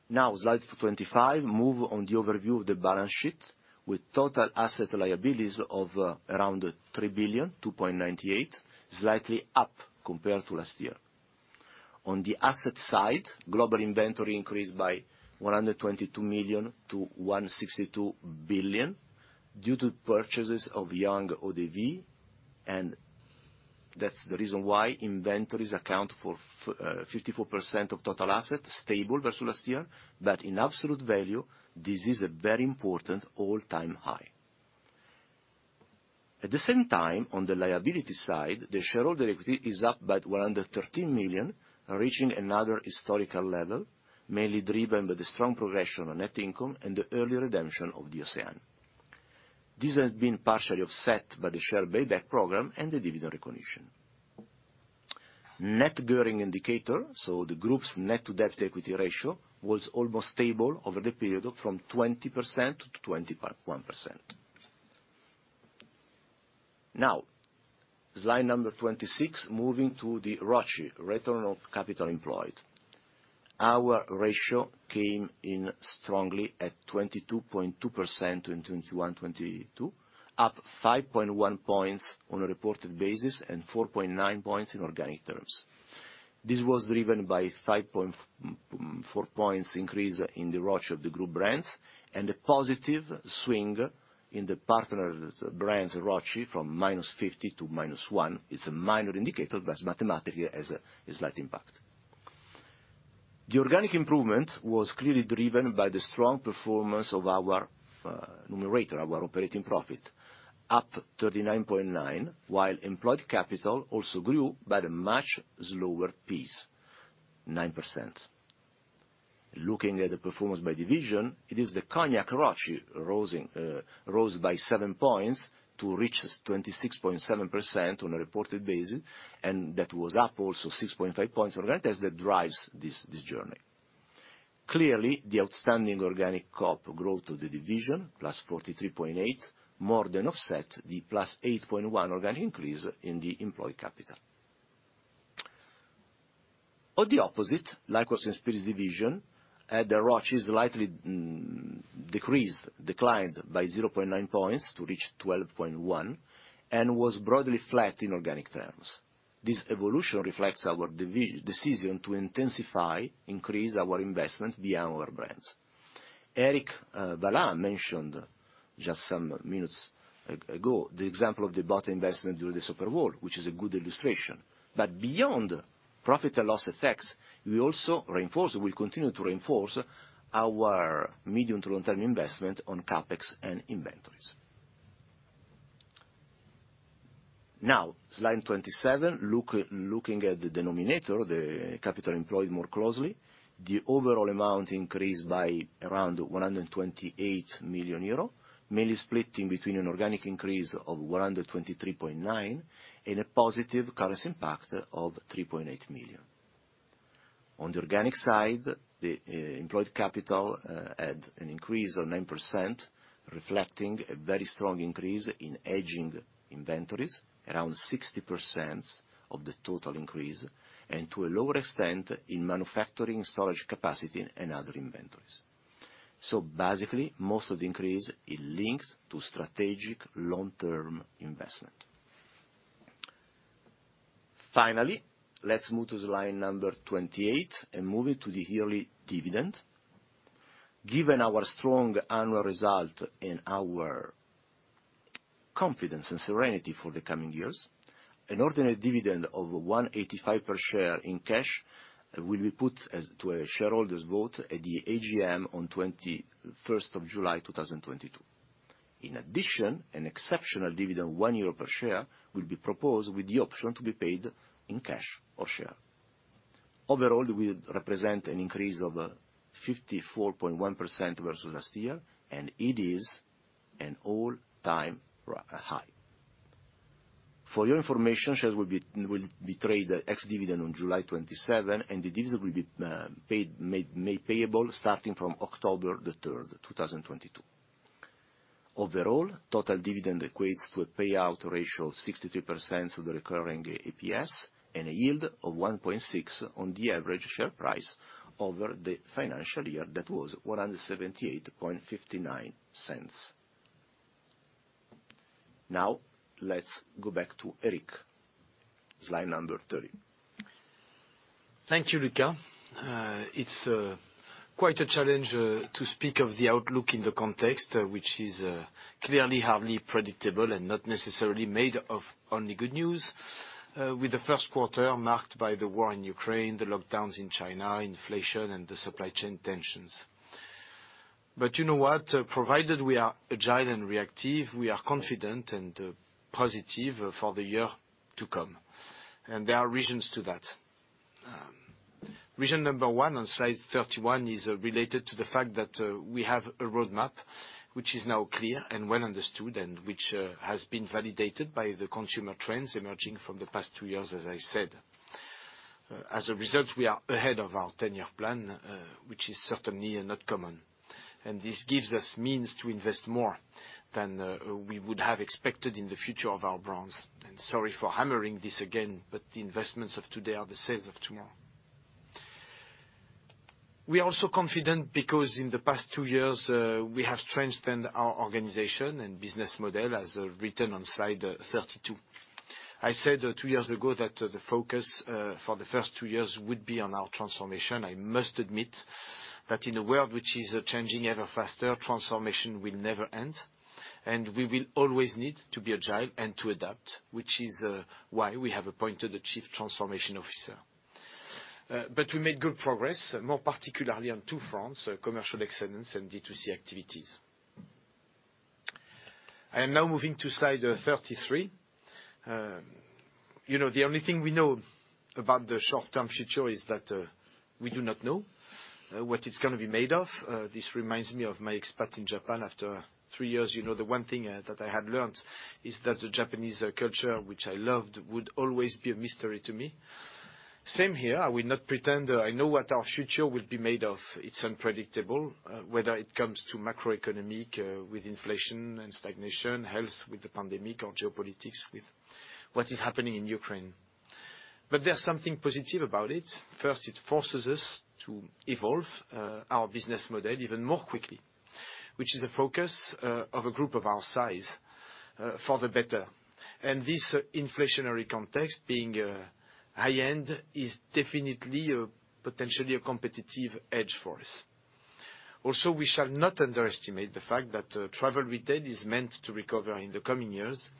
Now, slide 25, move on the overview of the balance sheet with total asset liabilities of around 3 billion, 2.98, slightly up compared to last year. On the asset side, global inventory increased by 122 million to 162 million due to purchases of young ODV, and that's the reason why inventories account for 54% of total assets, stable versus last year. In absolute value, this is a very important all-time high. At the same time, on the liability side, the shareholder equity is up by 113 million, reaching another historical level, mainly driven by the strong progression on net income and the early redemption of the OCEANE. This has been partially offset by the share buyback program and the dividend recognition. Net gearing indicator, so the group's net to debt equity ratio, was almost stable over the period from 20%-21%. Now, slide number 26, moving to the ROCE, return on capital employed. Our ratio came in strongly at 22.2% in 2021, 2022, up 5.1 points on a reported basis and 4.9 points in organic terms. This was driven by 5.4 points increase in the ROCE of the group brands and a positive swing in the partner's brands ROCE from -50 to -1. It's a minor indicator, but mathematically has a slight impact. The organic improvement was clearly driven by the strong performance of our numerator, our operating profit, up 39.9, while employed capital also grew by the much slower pace, 9%. Looking at the performance by division, it is the cognac ROCE rose by 7 points to reach 26.7% on a reported basis, and that was up also 6.5 points on that as it drives this journey. Clearly, the outstanding organic COP growth of the division, +43.8%, more than offset the +8.1% organic increase in the employed capital. On the opposite, Liquors and Spirits division at the ROCE is slightly decreased, declined by 0.9 points to reach 12.1%, and was broadly flat in organic terms. This evolution reflects our decision to intensify, increase our investment beyond our brands. Eric Vallat mentioned just some minutes ago, the example of the booth investment during the Super Bowl, which is a good illustration. Beyond profit and loss effects, we also reinforce, we'll continue to reinforce our medium to long term investment on CapEx and inventories. Now, slide 27, looking at the denominator, the capital employed more closely, the overall amount increased by around 128 million euro, mainly split in between an organic increase of 123.9 million and a positive currency impact of 3.8 million. On the organic side, the employed capital had an increase of 9%, reflecting a very strong increase in aging inventories, around 60% of the total increase, and to a lower extent in manufacturing storage capacity and other inventories. Basically, most of the increase is linked to strategic long-term investment. Finally, let's move to slide 28 and move it to the yearly dividend. Given our strong annual result and our confidence and serenity for the coming years, an ordinary dividend of 1.85 per share in cash will be put to a shareholders vote at the AGM on 21st of July, 2022. In addition, an exceptional dividend of 1 euro per share will be proposed with the option to be paid in cash or share. Overall, it will represent an increase of 54.1% versus last year, and it is an all-time high. For your information, shares will be traded ex-dividend on July 27, and the dividend will be made payable starting from October 3, 2022. Overall, total dividend equates to a payout ratio of 63% of the recurring EPS and a yield of 1.6 on the average share price over the financial year that was 178.59. Now, let's go back to Eric. Slide number 30. Thank you, Luca. It's quite a challenge to speak of the outlook in the context, which is clearly hardly predictable and not necessarily made of only good news, with the Q1 marked by the war in Ukraine, the lockdowns in China, inflation and the supply chain tensions. You know what? Provided we are agile and reactive, we are confident and positive for the year to come. There are reasons to that. Reason number one on slide 31 is related to the fact that we have a roadmap which is now clear and well understood and which has been validated by the consumer trends emerging from the past two years, as I said. As a result, we are ahead of our 10-year plan, which is certainly not common. This gives us means to invest more than we would have expected in the future of our brands. Sorry for hammering this again, but the investments of today are the sales of tomorrow. We are also confident because in the past two years we have strengthened our organization and business model as written on slide 32. I said two years ago that the focus for the first two years would be on our transformation. I must admit that in a world which is changing ever faster, transformation will never end, and we will always need to be agile and to adapt, which is why we have appointed a chief transformation officer. But we made good progress, more particularly on two fronts, commercial excellence and D2C activities. I am now moving to slide 33. You know, the only thing we know about the short-term future is that we do not know what it's gonna be made of. This reminds me of my experience in Japan after three years. You know, the one thing that I had learned is that the Japanese culture, which I loved, would always be a mystery to me. Same here. I will not pretend I know what our future will be made of. It's unpredictable, whether it comes to macroeconomics with inflation and stagnation, health with the pandemic or geopolitics with what is happening in Ukraine. There's something positive about it. First, it forces us to evolve our business model even more quickly, which is a focus of a group of our size for the better. This inflationary context being high-end is definitely potentially a competitive edge for us. Also, we shall not underestimate the fact that travel retail is meant to recover in the coming years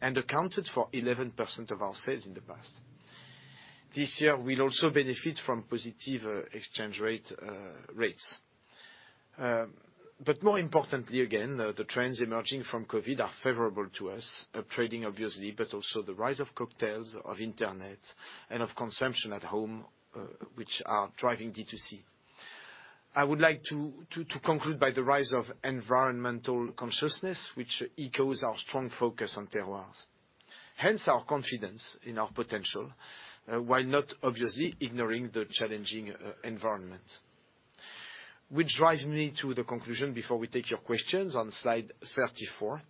and accounted for 11% of our sales in the past. This year, we'll also benefit from positive exchange rates. But more importantly, again, the trends emerging from COVID are favorable to us. The off-trade obviously, but also the rise of cocktails, of interest, and of consumption at home, which are driving D2C. I would like to conclude by the rise of environmental consciousness, which echoes our strong focus on terroirs. Hence, our confidence in our potential, while not obviously ignoring the challenging environment. Which drives me to the conclusion before we take your questions on slide 34.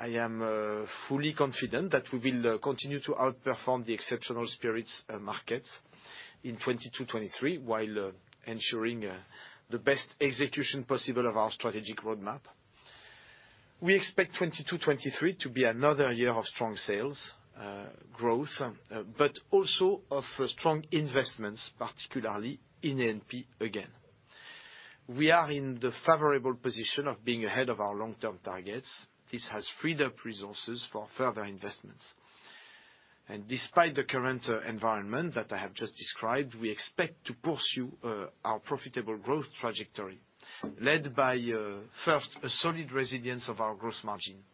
I am fully confident that we will continue to outperform the exceptional spirits market in 2022-2023, while ensuring the best execution possible of our strategic roadmap. We expect 2022-2023 to be another year of strong sales growth, but also of strong investments, particularly in A&P again. We are in the favorable position of being ahead of our long-term targets. This has freed up resources for further investments. Despite the current environment that I have just described, we expect to pursue our profitable growth trajectory led by first, a solid resilience of our growth margin,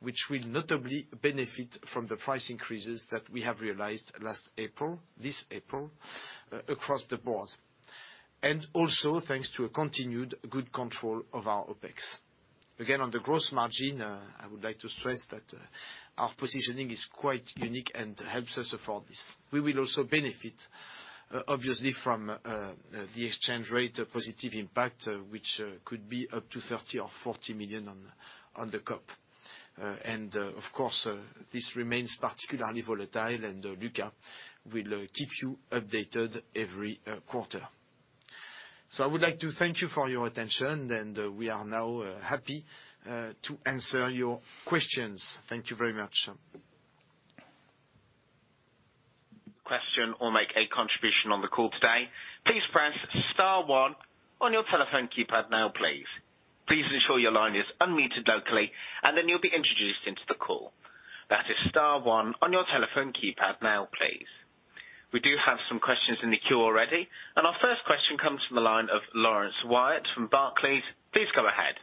which will notably benefit from the price increases that we have realized last April, this April, across the board. Also thanks to a continued good control of our OpEx. Again, on the growth margin, I would like to stress that our positioning is quite unique and helps us afford this. We will also benefit obviously from the exchange rate positive impact, which could be up to 30 million or 40 million on the COP. Of course, this remains particularly volatile, and Luca will keep you updated every quarter. I would like to thank you for your attention, and we are now happy to answer your questions. Thank you very much. Question or make a contribution on the call today, please press star one on your telephone keypad now, please. Please ensure your line is unmuted locally, and then you'll be introduced into the call. That is star one on your telephone keypad now, please. We do have some questions in the queue already. Our first question comes from the line of Laurence Whyatt from Barclays. Please go ahead.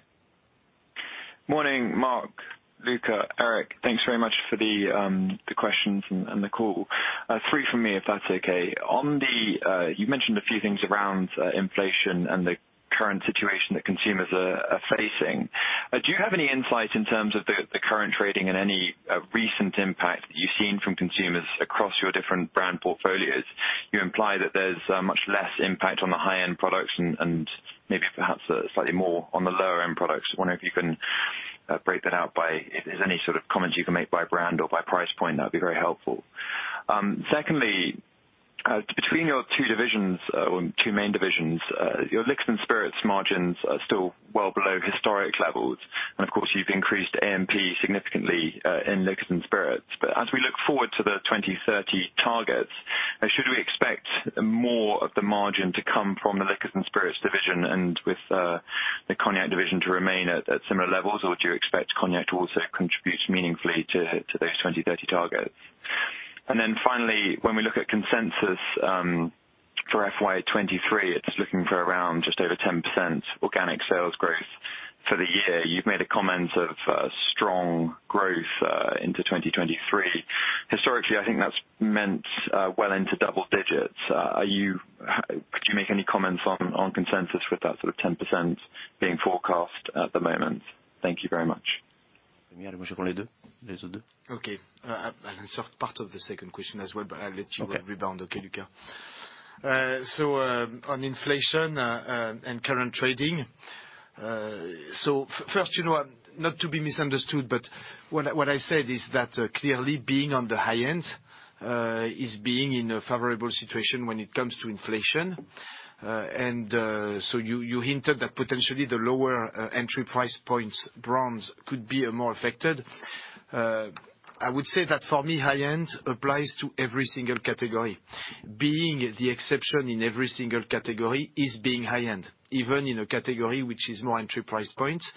Morning, Marc, Luca, Eric. Thanks very much for the questions and the call. Three from me, if that's okay. On the. You mentioned a few things around inflation and the current situation that consumers are facing. Do you have any insight in terms of the current trading and any recent impact that you've seen from consumers across your different brand portfolios? You imply that there's much less impact on the high-end products and maybe perhaps slightly more on the lower-end products. I wonder if you can break that out by if there's any sort of comments you can make by brand or by price point, that'd be very helpful. Secondly, between your two divisions, or two main divisions, your liquors and spirits margins are still well below historic levels, and of course, you've increased A&P significantly, in liquors and spirits. As we look forward to the 2030 targets, should we expect more of the margin to come from the liquors and spirits division and with the cognac division to remain at similar levels, or do you expect cognac to also contribute meaningfully to those 2030 targets? Then finally, when we look at consensus, for FY 2023, it's looking for around just over 10% organic sales growth for the year. You've made a comment of strong growth into 2023. Historically, I think that's meant well into double digits. Are you... Could you make any comments on consensus with that sort of 10% being forecast at the moment? Thank you very much. Okay. I'll answer part of the second question as well, but I'll let you rebound, okay, Luca. On inflation and current trading, first, you know, not to be misunderstood, but what I said is that, clearly being on the high end is being in a favorable situation when it comes to inflation. You hinted that potentially the lower entry price points brands could be more affected. I would say that for me high end applies to every single category. Being the exception in every single category is being high end, even in a category which is more entry price points.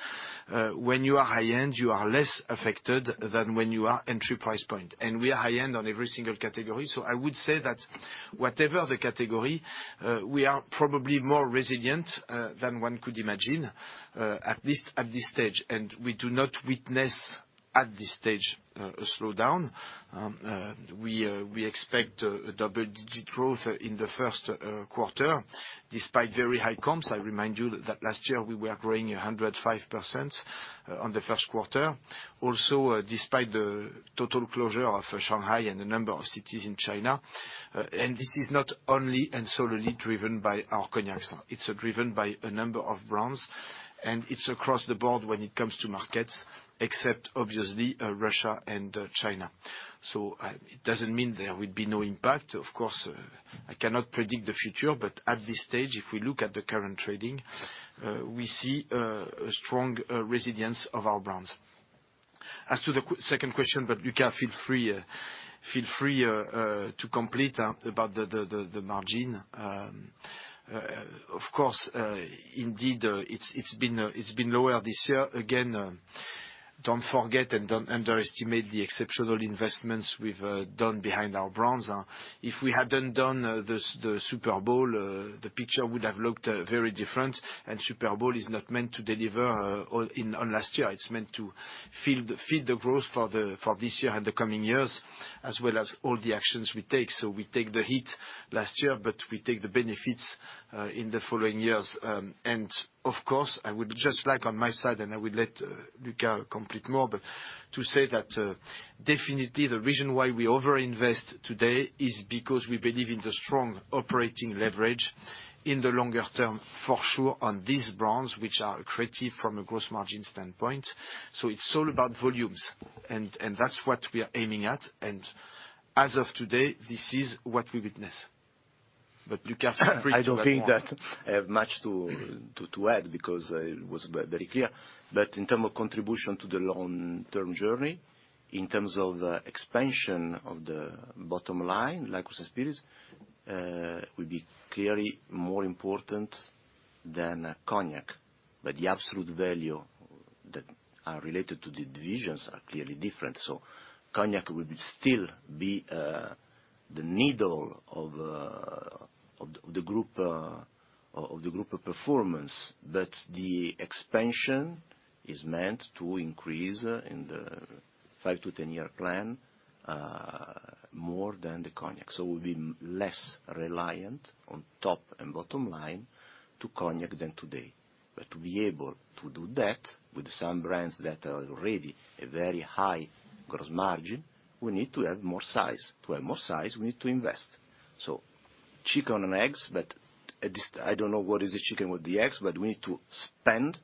When you are high end, you are less affected than when you are entry price point. We are high end on every single category. I would say that whatever the category, we are probably more resilient than one could imagine, at least at this stage. We do not witness at this stage a slowdown. We expect a double-digit growth in the Q1, despite very high comps. I remind you that last year we were growing 105% on the Q1. Also, despite the total closure of Shanghai and a number of cities in China, and this is not only and solely driven by our cognacs. It's driven by a number of brands, and it's across the board when it comes to markets, except obviously Russia and China. It doesn't mean there will be no impact. Of course, I cannot predict the future, but at this stage, if we look at the current trading, we see a strong resilience of our brands. As to the second question, but Luca, feel free to complete about the margin. Of course, indeed, it's been lower this year. Again, don't forget and don't underestimate the exceptional investments we've done behind our brands. If we hadn't done the Super Bowl, the picture would have looked very different. Super Bowl is not meant to deliver on last year. It's meant to feed the growth for this year and the coming years, as well as all the actions we take. We take the hit last year, but we take the benefits in the following years. Of course, I would just like on my side, and I would let Luca complete more, but to say that definitely the reason why we over-invest today is because we believe in the strong operating leverage in the longer term for sure on these brands, which are accretive from a gross margin standpoint. It's all about volumes, and that's what we are aiming at. As of today, this is what we witness. You can't749109 I don't think that I have much to add because it was very clear. In terms of contribution to the long-term journey, in terms of expansion of the bottom line, like with spirits, will be clearly more important than Cognac. The absolute value that are related to the divisions are clearly different. Cognac will still be the needle mover of the group's performance. The expansion is meant to increase in the 5-10 year plan more than the Cognac. We'll be less reliant on top and bottom line to Cognac than today. To be able to do that with some brands that are already a very high gross margin, we need to have more size. To have more size, we need to invest. Chicken and eggs, but at this—I don't know what is the chicken with the eggs, but we need to spend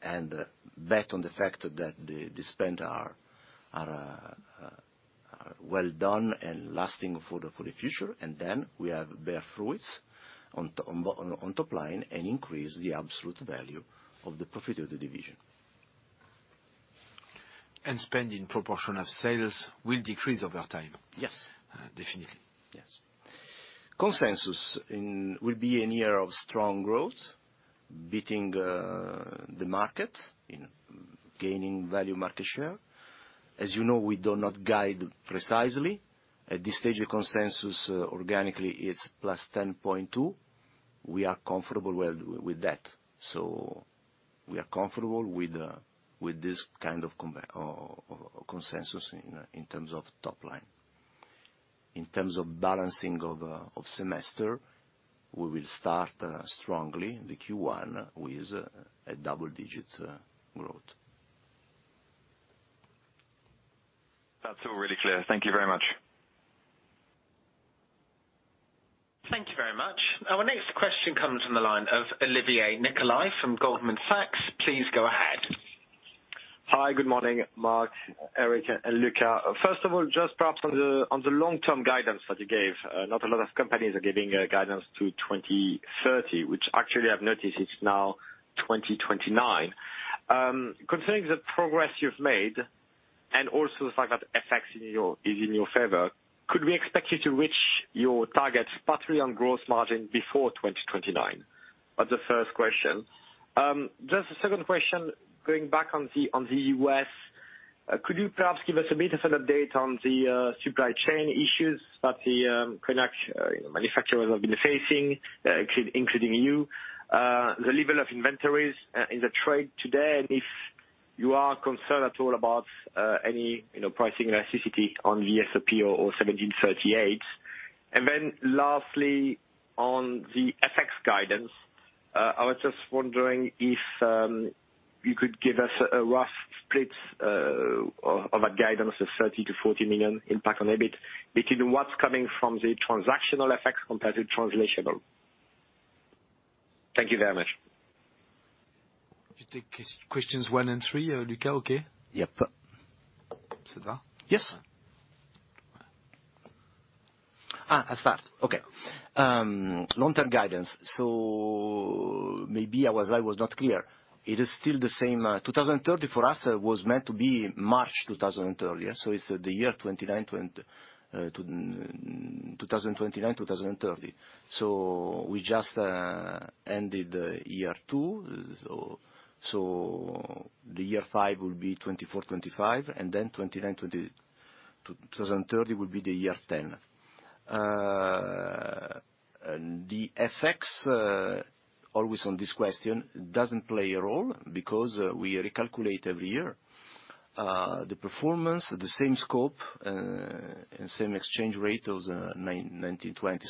and bet on the fact that the spend are well done and lasting for the future. Then we have bear fruits on top line and increase the absolute value of the profit of the division. Spend in proportion of sales will decrease over time? Yes. Definitely. Yes. Consensus will be a year of strong growth, beating the market in gaining value market share. As you know, we do not guide precisely. At this stage, the consensus organically is +10.2%. We are comfortable with that. We are comfortable with this kind of consensus in terms of top line. In terms of balancing of semester, we will start strongly the Q1 with a double-digit growth. That's all really clear. Thank you very much. Thank you very much. Our next question comes from the line of Olivier Nicolai from Goldman Sachs. Please go ahead. Hi, good morning, Marc, Eric, and Luca. First of all, just perhaps on the long-term guidance that you gave, not a lot of companies are giving guidance to 2030, which actually I've noticed it's now 2029. That's the first question. Just a second question, going back on the U.S., could you perhaps give us a bit of an update on the supply chain issues that the Cognac manufacturers have been facing, including you? The level of inventories in the trade today, and if you are concerned at all about any, you know, pricing elasticity on the VSOP or 1738. Then lastly, on the FX guidance, I was just wondering if you could give us a rough split of the guidance of 30 million-40 million impact on EBIT between what's coming from the transactional effects compared to translational. Thank you very much. You take questions one and three, Luca, okay? Yep. Yes. Long-term guidance. Maybe I was not clear. It is still the same. 2030 for us was meant to be March 2030. It's the year 2029, 2030. We just ended year two. The year five will be 2024, 2025, and then 2029, 2030 will be the year 10. The FX always on this question doesn't play a role because we recalculate every year the performance, the same scope, and same exchange rate as 1920.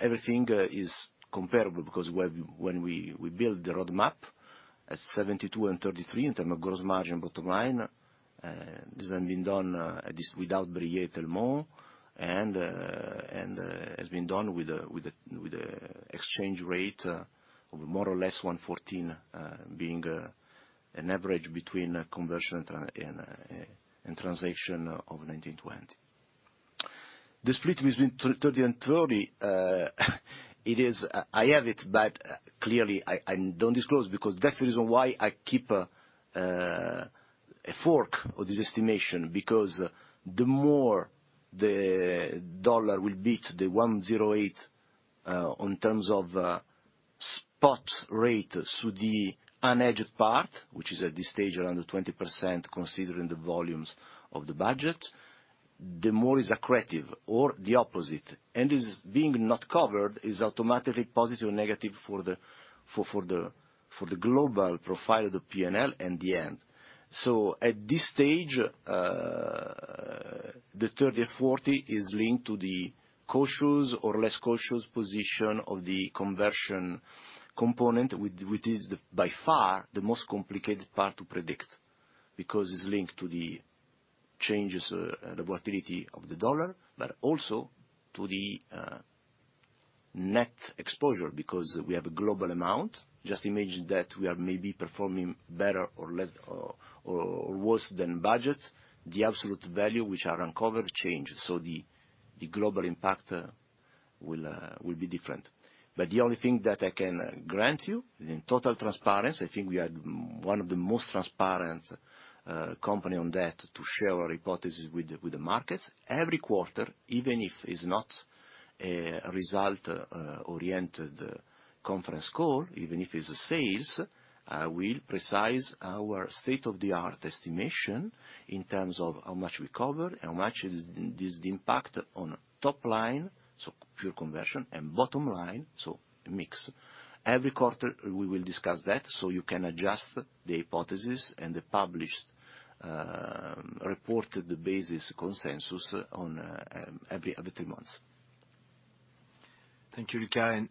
Everything is comparable because when we build the roadmap at 72% and 33% in terms of gross margin bottom line, this has been done without Brillet and Telmont and has been done with the exchange rate of more or less 1.14, being an average between conversion and translation of 2019-2020. The split between 30% and 30%, I have it, but clearly I don't disclose because that's the reason why I keep a fork of this estimation. Because the more the dollar will beat the 1.08, in terms of spot rate through the unhedged part, which is at this stage around the 20% considering the volumes of the budget, the more it's accretive or the opposite. Is being not covered is automatically positive, negative for the global profile of the P&L in the end. At this stage, the 30-40 is linked to the cautious or less cautious position of the conversion component, which is the by far the most complicated part to predict because it's linked to the changes, the volatility of the dollar, but also to the net exposure, because we have a global amount. Just imagine that we are maybe performing better or less or worse than budget, the absolute value which are uncovered change. The global impact will be different. But the only thing that I can grant you, in total transparency, I think we are one of the most transparent company on that to share our hypothesis with the markets. Every quarter, even if it's not a result-oriented conference call, even if it's sales, I will provide our state-of-the-art estimation in terms of how much we cover, how much is the impact on top line, so pure conversion, and bottom line, so mix. Every quarter we will discuss that, so you can adjust the hypotheses and the published reported basis consensus on every other three months. Thank you, Luca.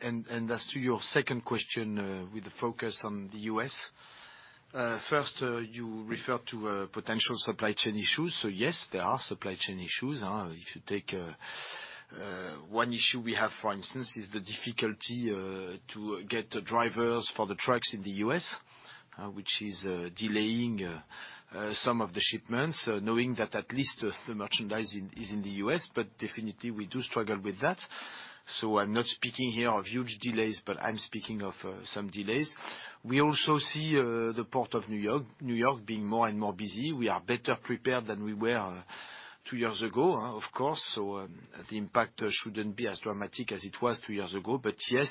As to your second question, with the focus on the US. First, you refer to potential supply chain issues. Yes, there are supply chain issues, if you take one issue we have, for instance, is the difficulty to get drivers for the trucks in the US, which is delaying some of the shipments, knowing that at least the merchandise is in the US. Definitely we do struggle with that, I'm not speaking here of huge delays, I'm speaking of some delays. We also see the Port of New York, New York being more and more busy. We are better prepared than we were two years ago, of course, the impact shouldn't be as dramatic as it was two years ago. Yes,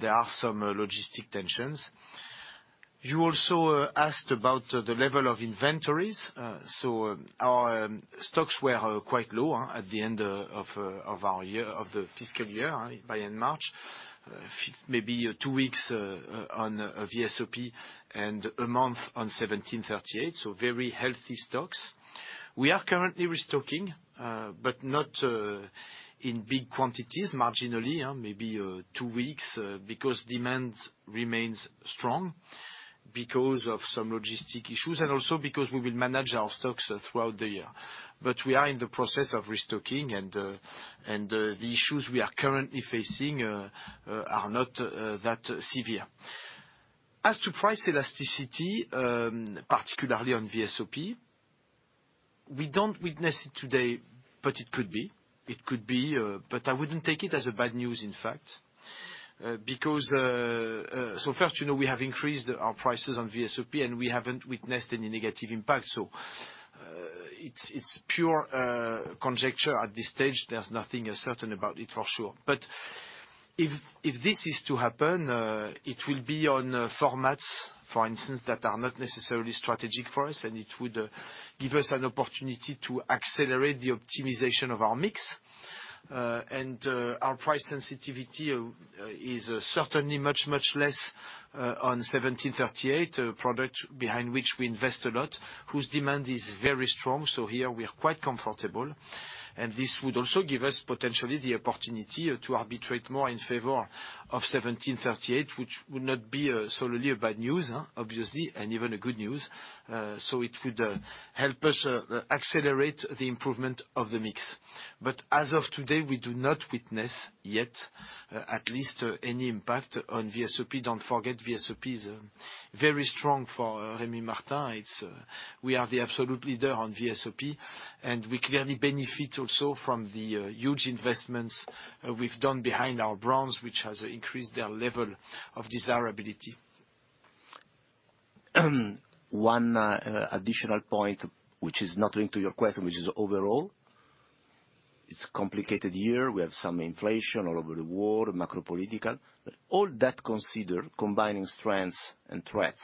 there are some logistic tensions. You also asked about the level of inventories. So our stocks were quite low at the end of the fiscal year by end March. Maybe two weeks on VSOP and a month on 1738, so very healthy stocks. We are currently restocking but not in big quantities, marginally, maybe two weeks, because demand remains strong because of some logistic issues, and also because we will manage our stocks throughout the year. We are in the process of restocking and the issues we are currently facing are not that severe. As to price elasticity, particularly on VSOP, we don't witness it today, but it could be. It could be, but I wouldn't take it as bad news, in fact, because first, you know, we have increased our prices on VSOP, and we haven't witnessed any negative impact, so it's pure conjecture at this stage. There's nothing certain about it for sure. But if this is to happen, it will be on formats, for instance, that are not necessarily strategic for us, and it would give us an opportunity to accelerate the optimization of our mix. Our price sensitivity is certainly much, much less on 1738 Accord Royal, a product behind which we invest a lot, whose demand is very strong. Here we are quite comfortable, and this would also give us potentially the opportunity to arbitrate more in favor of 1738, which would not be solely a bad news, obviously, and even a good news. It would help us accelerate the improvement of the mix. As of today, we do not witness yet, at least, any impact on VSOP. Don't forget, VSOP is very strong for Rémy Martin. It's, we are the absolute leader on VSOP, and we clearly benefit also from the huge investments we've done behind our brands, which has increased their level of desirability. One additional point which is not linked to your question, which is overall, it's a complicated year. We have some inflation all over the world, macro political. All that considered, combining strengths and threats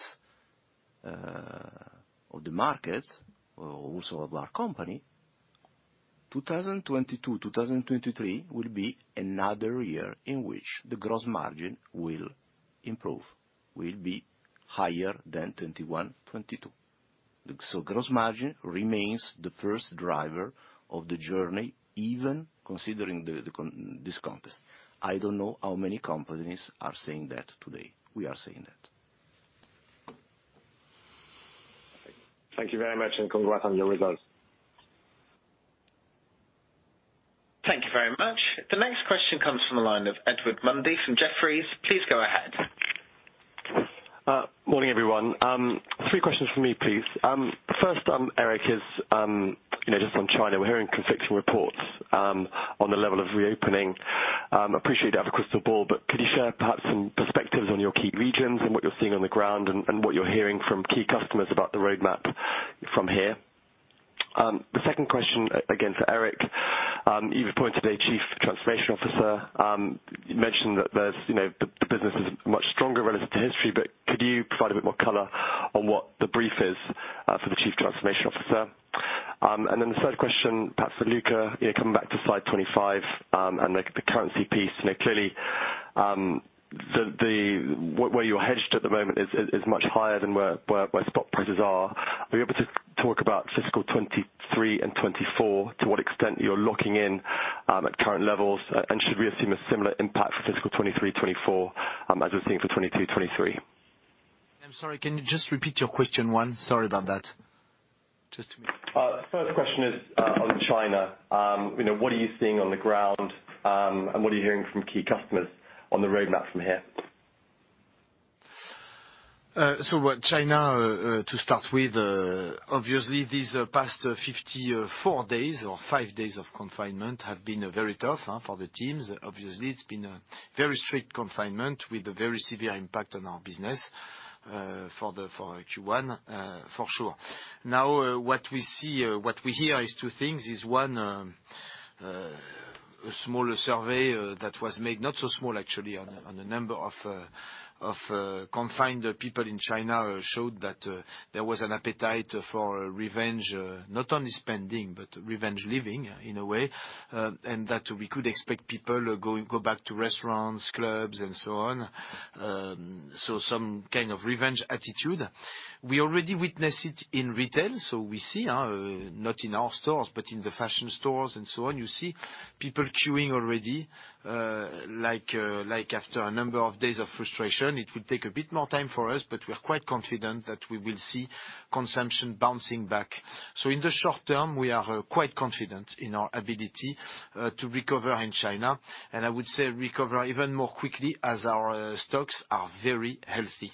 of the market, also of our company, 2022, 2023 will be another year in which the gross margin will improve, will be higher than 2021, 2022. Gross margin remains the first driver of the journey, even considering the context. I don't know how many companies are saying that today. We are saying that. Thank you very much, and congrats on the results. Thank you very much. The next question comes from the line of Edward Mundy from Jefferies. Please go ahead. Morning, everyone. Three questions from me, please. First, Eric, you know, just on China, we're hearing conflicting reports on the level of reopening. Appreciate you don't have a crystal ball, but could you share perhaps some perspectives on your key regions and what you're seeing on the ground, and what you're hearing from key customers about the roadmap from here? The second question, again for Eric. You've appointed a chief transformation officer. You mentioned that there's, you know, the business is much stronger relative to history, but could you provide a bit more color on what the brief is for the chief transformation officer? And then the third question, perhaps for Luca, you know, coming back to slide 25, and the currency piece. You know, clearly, where you're hedged at the moment is much higher than where spot prices are. Are you able to talk about fiscal 2023 and 2024, to what extent you're locking in at current levels? Should we assume a similar impact for fiscal 2023, 2024, as we're seeing for 2022, 2023? I'm sorry, can you just repeat your question one? Sorry about that. First question is, on China. You know, what are you seeing on the ground, and what are you hearing from key customers on the roadmap from here? On China to start with, obviously these past 54 days or so of confinement have been very tough for the teams. Obviously, it's been a very strict confinement with a very severe impact on our business for Q1 for sure. Now, what we see, what we hear is two things, one, a smaller survey that was made, not so small actually, on a number of confined people in China showed that there was an appetite for revenge, not only spending, but revenge living in a way, and that we could expect people go back to restaurants, clubs, and so on. Some kind of revenge attitude. We already witness it in retail, so we see not in our stores, but in the fashion stores and so on. You see people queuing already, like after a number of days of frustration. It would take a bit more time for us, but we are quite confident that we will see consumption bouncing back. In the short term, we are quite confident in our ability to recover in China, and I would say recover even more quickly as our stocks are very healthy.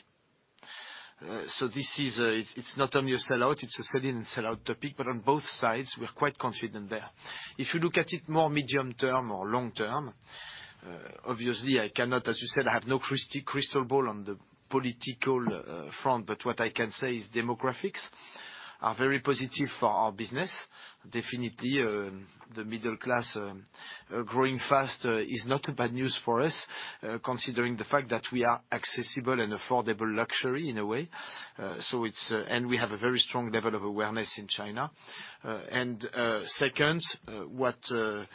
This is, it's not only a sellout, it's a sell-in and sellout topic, but on both sides, we're quite confident there. If you look at it more medium term or long term, obviously, I cannot, as you said, I have no crystal ball on the political front, but what I can say is demographics are very positive for our business. Definitely, the middle class growing fast is not a bad news for us, considering the fact that we are accessible and affordable luxury in a way. We have a very strong level of awareness in China. Second, the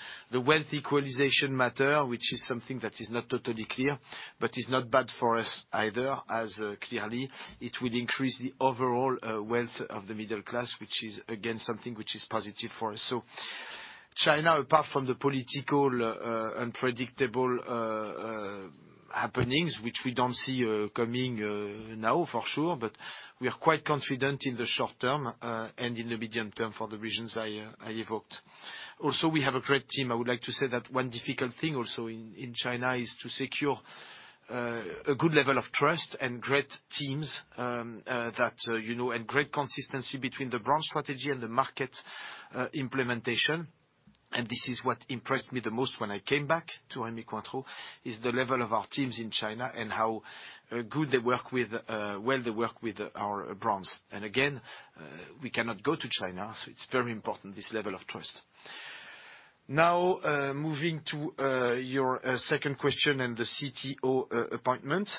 wealth equalization matter, which is something that is not totally clear, but is not bad for us either, as clearly it will increase the overall wealth of the middle class, which is again, something which is positive for us. China, apart from the political, unpredictable, happenings, which we don't see coming now for sure, but we are quite confident in the short term, and in the medium term for the reasons I evoked. Also, we have a great team. I would like to say that one difficult thing also in China is to secure a good level of trust and great teams, that you know, and great consistency between the brand strategy and the market implementation. This is what impressed me the most when I came back to Rémy Cointreau, is the level of our teams in China and how good they work with our brands. Again, we cannot go to China, so it's very important, this level of trust. Now, moving to your second question and the CTO appointment.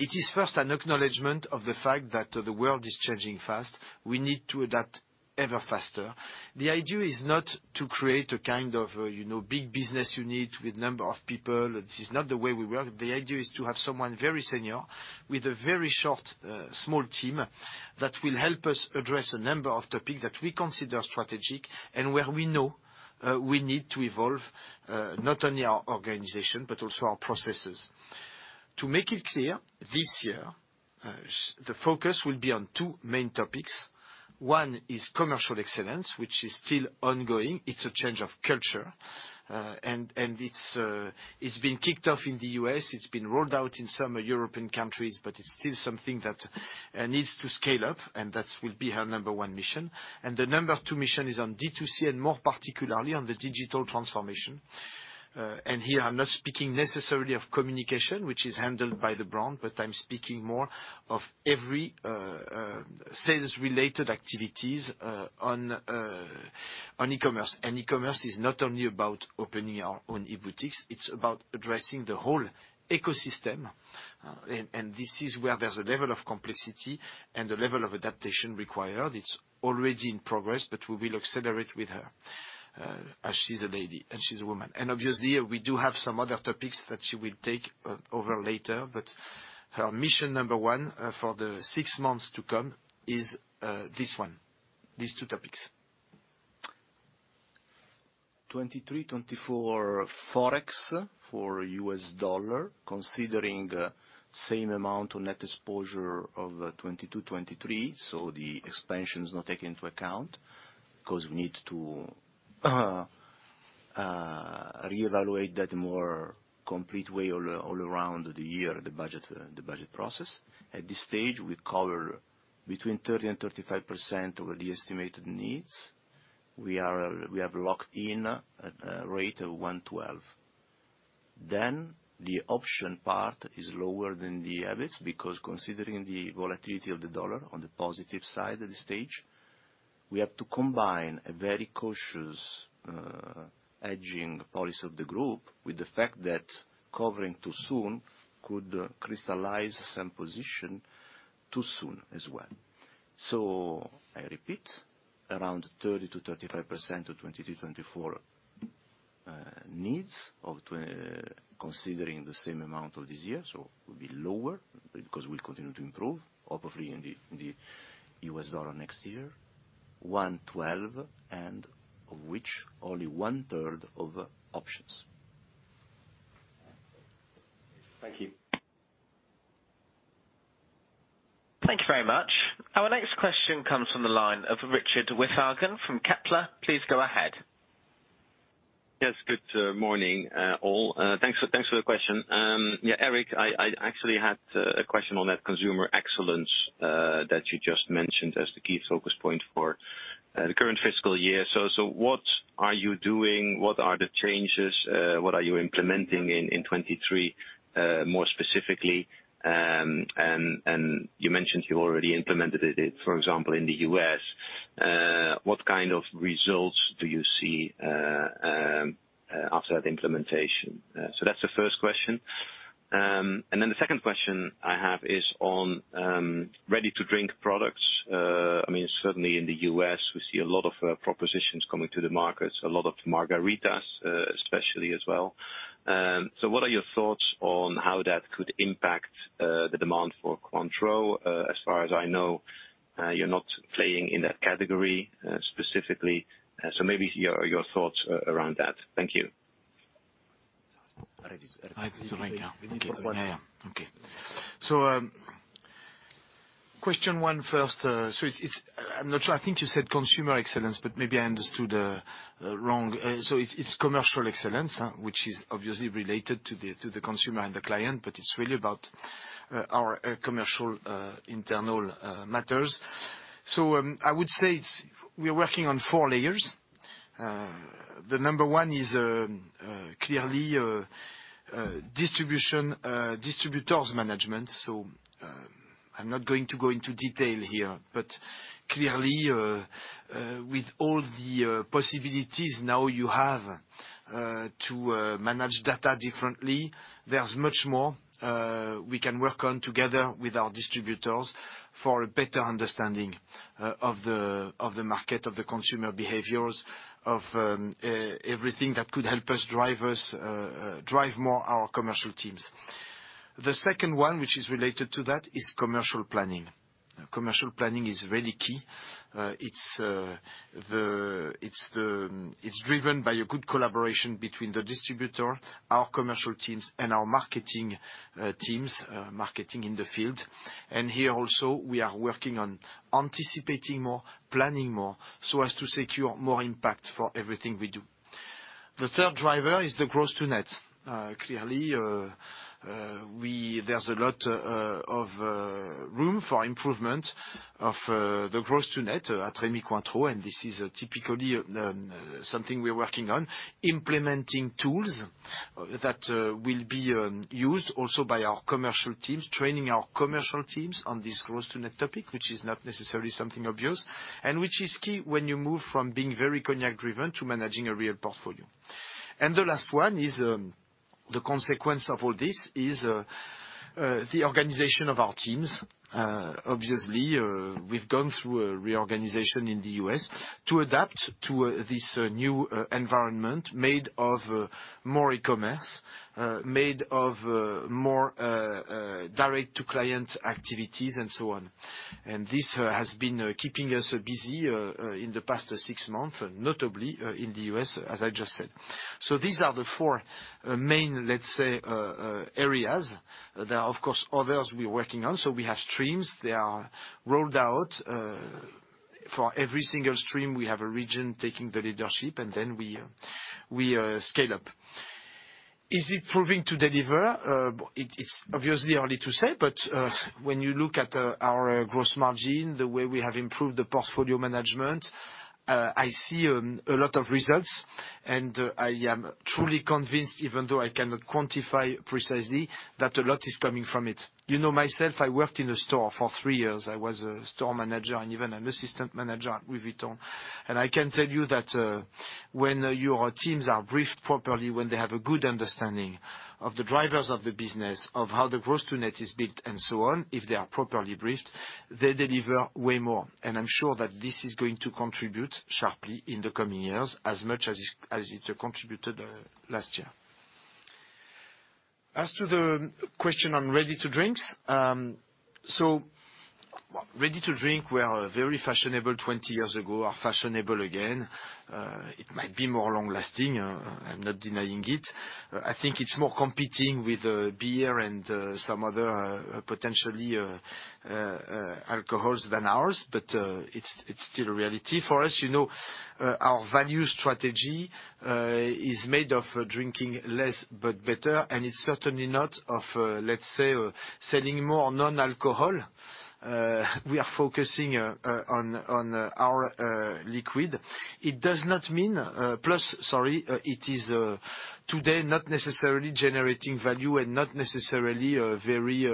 It is first an acknowledgment of the fact that the world is changing fast. We need to adapt ever faster. The idea is not to create a kind of a, you know, big business unit with number of people. This is not the way we work. The idea is to have someone very senior with a very short, small team that will help us address a number of topics that we consider strategic and where we know, we need to evolve, not only our organization, but also our processes. To make it clear, this year, the focus will be on two main topics. One is commercial excellence, which is still ongoing. It's a change of culture, and it's been kicked off in the US, it's been rolled out in some European countries, but it's still something that needs to scale up, and that will be her number one mission. The number two mission is on D2C, and more particularly on the digital transformation. Here, I'm not speaking necessarily of communication, which is handled by the brand, but I'm speaking more of every sales-related activities on e-commerce. E-commerce is not only about opening our own e-boutiques, it's about addressing the whole ecosystem. This is where there's a level of complexity and a level of adaptation required. It's already in progress, but we will accelerate with her, as she's a lady and she's a woman. Obviously, we do have some other topics that she will take over later. Her mission number one for the six months to come is this one, these two topics. 2023-2024 Forex for US dollar, considering same amount on net exposure of 2022-2023. The expansion is not taken into account because we need to reevaluate that more complete way all around the year, the budget process. At this stage, we cover between 30%-35% over the estimated needs. We have locked in a rate of 1.12. The option part is lower than the habits because, considering the volatility of the dollar on the positive side at this stage, we have to combine a very cautious hedging policy of the group with the fact that covering too soon could crystallize some position too soon as well. I repeat, around 30%-35% of 2020-2024 needs, considering the same amount of this year, will be lower because we'll continue to improve, hopefully, in the U.S. dollar next year, 1.12, and of which only one-third of options. Thank you. Thank you very much. Our next question comes from the line of Richard Withagen from Kepler. Please go ahead. Yes, good morning, all. Thanks for the question. Yeah, Eric, I actually had a question on that consumer excellence that you just mentioned as the key focus point for the current fiscal year. What are you doing? What are the changes? What are you implementing in 2023, more specifically? You mentioned you already implemented it, for example, in the U.S. What kind of results do you see after the implementation? That's the first question. The second question I have is on ready-to-drink products. I mean, certainly in the U.S., we see a lot of propositions coming to the markets, a lot of margaritas, especially as well. What are your thoughts on how that could impact the demand for Cointreau? As far as I know, you're not playing in that category specifically. Maybe your thoughts around that. Thank you. Okay, question one first. I'm not sure. I think you said consumer excellence, but maybe I understood wrong. It's commercial excellence, which is obviously related to the consumer and the client, but it's really about our commercial internal matters. I would say we are working on four layers. The number one is clearly distribution distributors management. I'm not going to go into detail here. Clearly, with all the possibilities now you have to manage data differently, there's much more we can work on together with our distributors for a better understanding of the market, of the consumer behaviors, of everything that could help us drive more our commercial teams. The second one, which is related to that, is commercial planning. Commercial planning is really key. It's driven by a good collaboration between the distributor, our commercial teams, and our marketing teams, marketing in the field. Here also, we are working on anticipating more, planning more, so as to secure more impact for everything we do. The third driver is the gross to net. Clearly, there's a lot of room for improvement of the gross to net at Rémy Cointreau, and this is typically something we're working on, implementing tools that will be used also by our commercial teams, training our commercial teams on this gross to net topic, which is not necessarily something obvious, and which is key when you move from being very cognac-driven to managing a real portfolio. The last one is the consequence of all this, the organization of our teams. Obviously, we've gone through a reorganization in the U.S. to adapt to this new environment made of more e-commerce, made of more direct-to-client activities and so on. This has been keeping us busy in the past six months, notably in the U.S., as I just said. These are the four main, let's say, areas. There are, of course, others we're working on. We have streams. They are rolled out. For every single stream, we have a region taking the leadership, and then we scale up. Is it proving to deliver? It's obviously early to say, but when you look at our gross margin, the way we have improved the portfolio management, I see a lot of results. I am truly convinced, even though I cannot quantify precisely, that a lot is coming from it. You know, myself, I worked in a store for three years. I was a store manager and even an assistant manager at Louis Vuitton. I can tell you that, when your teams are briefed properly, when they have a good understanding of the drivers of the business, of how the gross to net is built and so on, if they are properly briefed, they deliver way more. I'm sure that this is going to contribute sharply in the coming years as much as it contributed last year. As to the question on ready-to-drink. Ready-to-drink were very fashionable twenty years ago, are fashionable again. It might be more long-lasting. I'm not denying it. I think it's more competing with beer and some other potentially alcohols than ours, but it's still a reality for us. You know, our value strategy is made of drinking less but better, and it's certainly not of, let's say, selling more non-alcohol. We are focusing on our liquid. It does not mean it is today not necessarily generating value and not necessarily a very,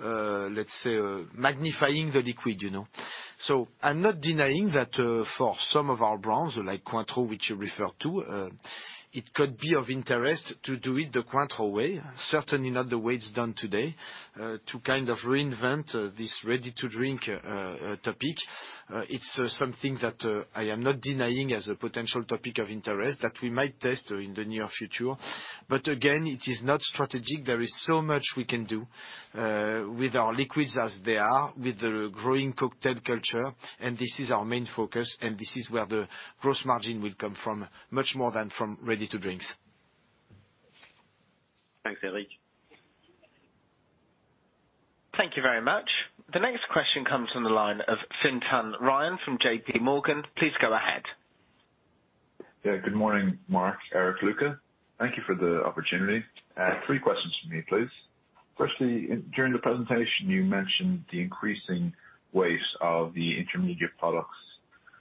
let's say, magnifying the liquid, you know? I'm not denying that, for some of our brands like Cointreau, which you referred to, it could be of interest to do it the Cointreau way, certainly not the way it's done today, to kind of reinvent this ready-to-drink topic. It's something that I am not denying as a potential topic of interest that we might test in the near future. Again, it is not strategic. There is so much we can do, with our liquids as they are, with the growing cocktail culture, and this is our main focus, and this is where the gross margin will come from, much more than from ready-to-drinks. Thanks, Eric. Very much. The next question comes from the line of Fintan Ryan from JPMorgan. Please go ahead. Good morning, Marc, Eric, Luca. Thank you for the opportunity. Three questions from me, please. Firstly, during the presentation, you mentioned the increasing weight of the intermediate products,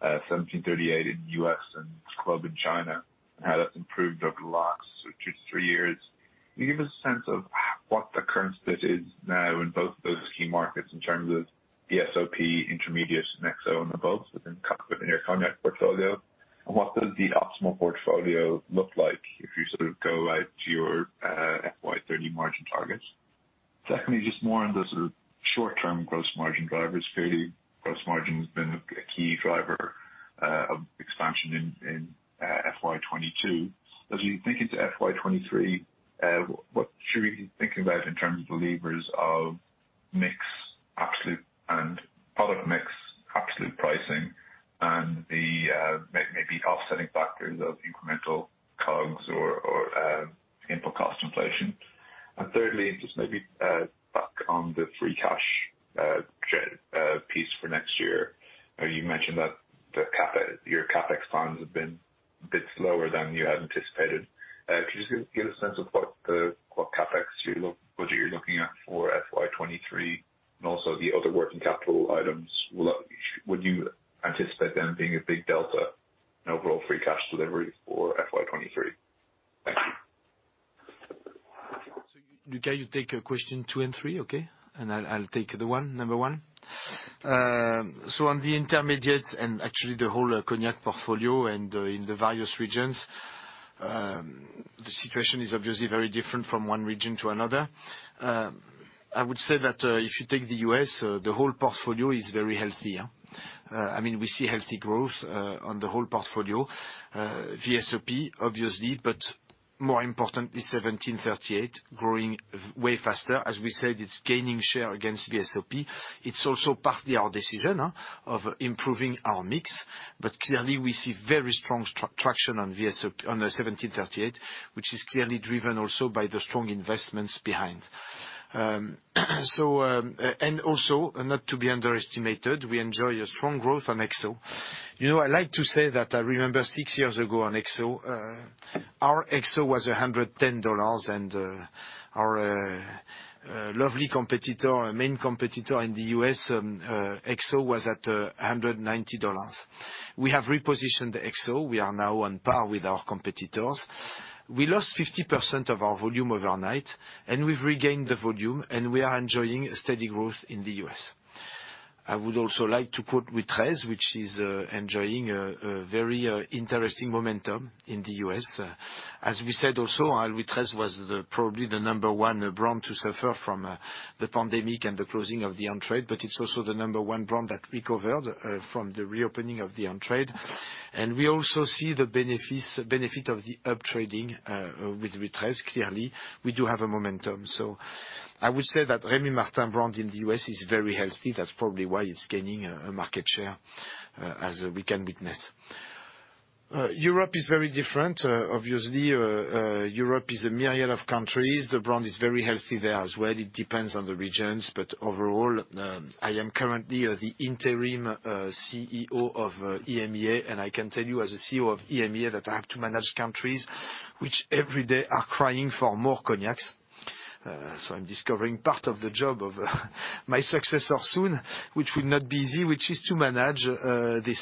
1738 in U.S. and Club in China, and how that's improved over the last two-three years. Can you give us a sense of what the current state is now in both of those key markets in terms of VSOP, intermediates, and XO in the bulk within your cognac portfolio? What does the optimal portfolio look like if you sort of go out to your FY 2030 margin targets? Secondly, just more on the sort of short-term gross margin drivers. Clearly, gross margin has been a key driver of expansion in FY 2022. As you think into FY 2023, what should we be thinking about in terms of the levers of mix, absolute and product mix, absolute pricing and the, maybe offsetting factors of incremental COGS or input cost inflation? Thirdly, just maybe, back on the free cash piece for next year. You mentioned that the CapEx, your CapEx plans have been a bit slower than you had anticipated. Could you just give a sense of what the CapEx you're looking at for FY 2023 and also the other working capital items? Would you anticipate them being a big delta in overall free cash delivery for FY 2023? Thank you. Luca, you take question two and three, okay? I'll take the one, number one. On the intermediates and actually the whole cognac portfolio and in the various regions, the situation is obviously very different from one region to another. I would say that if you take the US, the whole portfolio is very healthy. I mean, we see healthy growth on the whole portfolio. VSOP, obviously, but more importantly, seventeen thirty-eight growing way faster. As we said, it's gaining share against VSOP. It's also partly our decision of improving our mix. Clearly we see very strong traction on the seventeen thirty-eight, which is clearly driven also by the strong investments behind. Also, not to be underestimated, we enjoy a strong growth on XO. You know, I like to say that I remember six years ago on XO, our XO was $110 and, our lovely competitor, our main competitor in the US on XO was at $190. We have repositioned XO. We are now on par with our competitors. We lost 50% of our volume overnight, and we've regained the volume, and we are enjoying a steady growth in the US. I would also like to quote Louis XIII, which is enjoying a very interesting momentum in the US. As we said also, our Louis XIII was the probably the number one brand to suffer from the pandemic and the closing of the on-trade, but it's also the number one brand that recovered from the reopening of the on-trade. We also see the benefits of the up trading with Louis XIII. Clearly, we do have a momentum. I would say that Rémy Martin brand in the U.S. is very healthy. That's probably why it's gaining a market share as we can witness. Europe is very different. Obviously, Europe is a myriad of countries. The brand is very healthy there as well. It depends on the regions. Overall, I am currently the interim CEO of EMEA, and I can tell you as a CEO of EMEA that I have to manage countries which every day are crying for more cognacs. I'm discovering part of the job of my successor soon, which will not be easy, which is to manage this.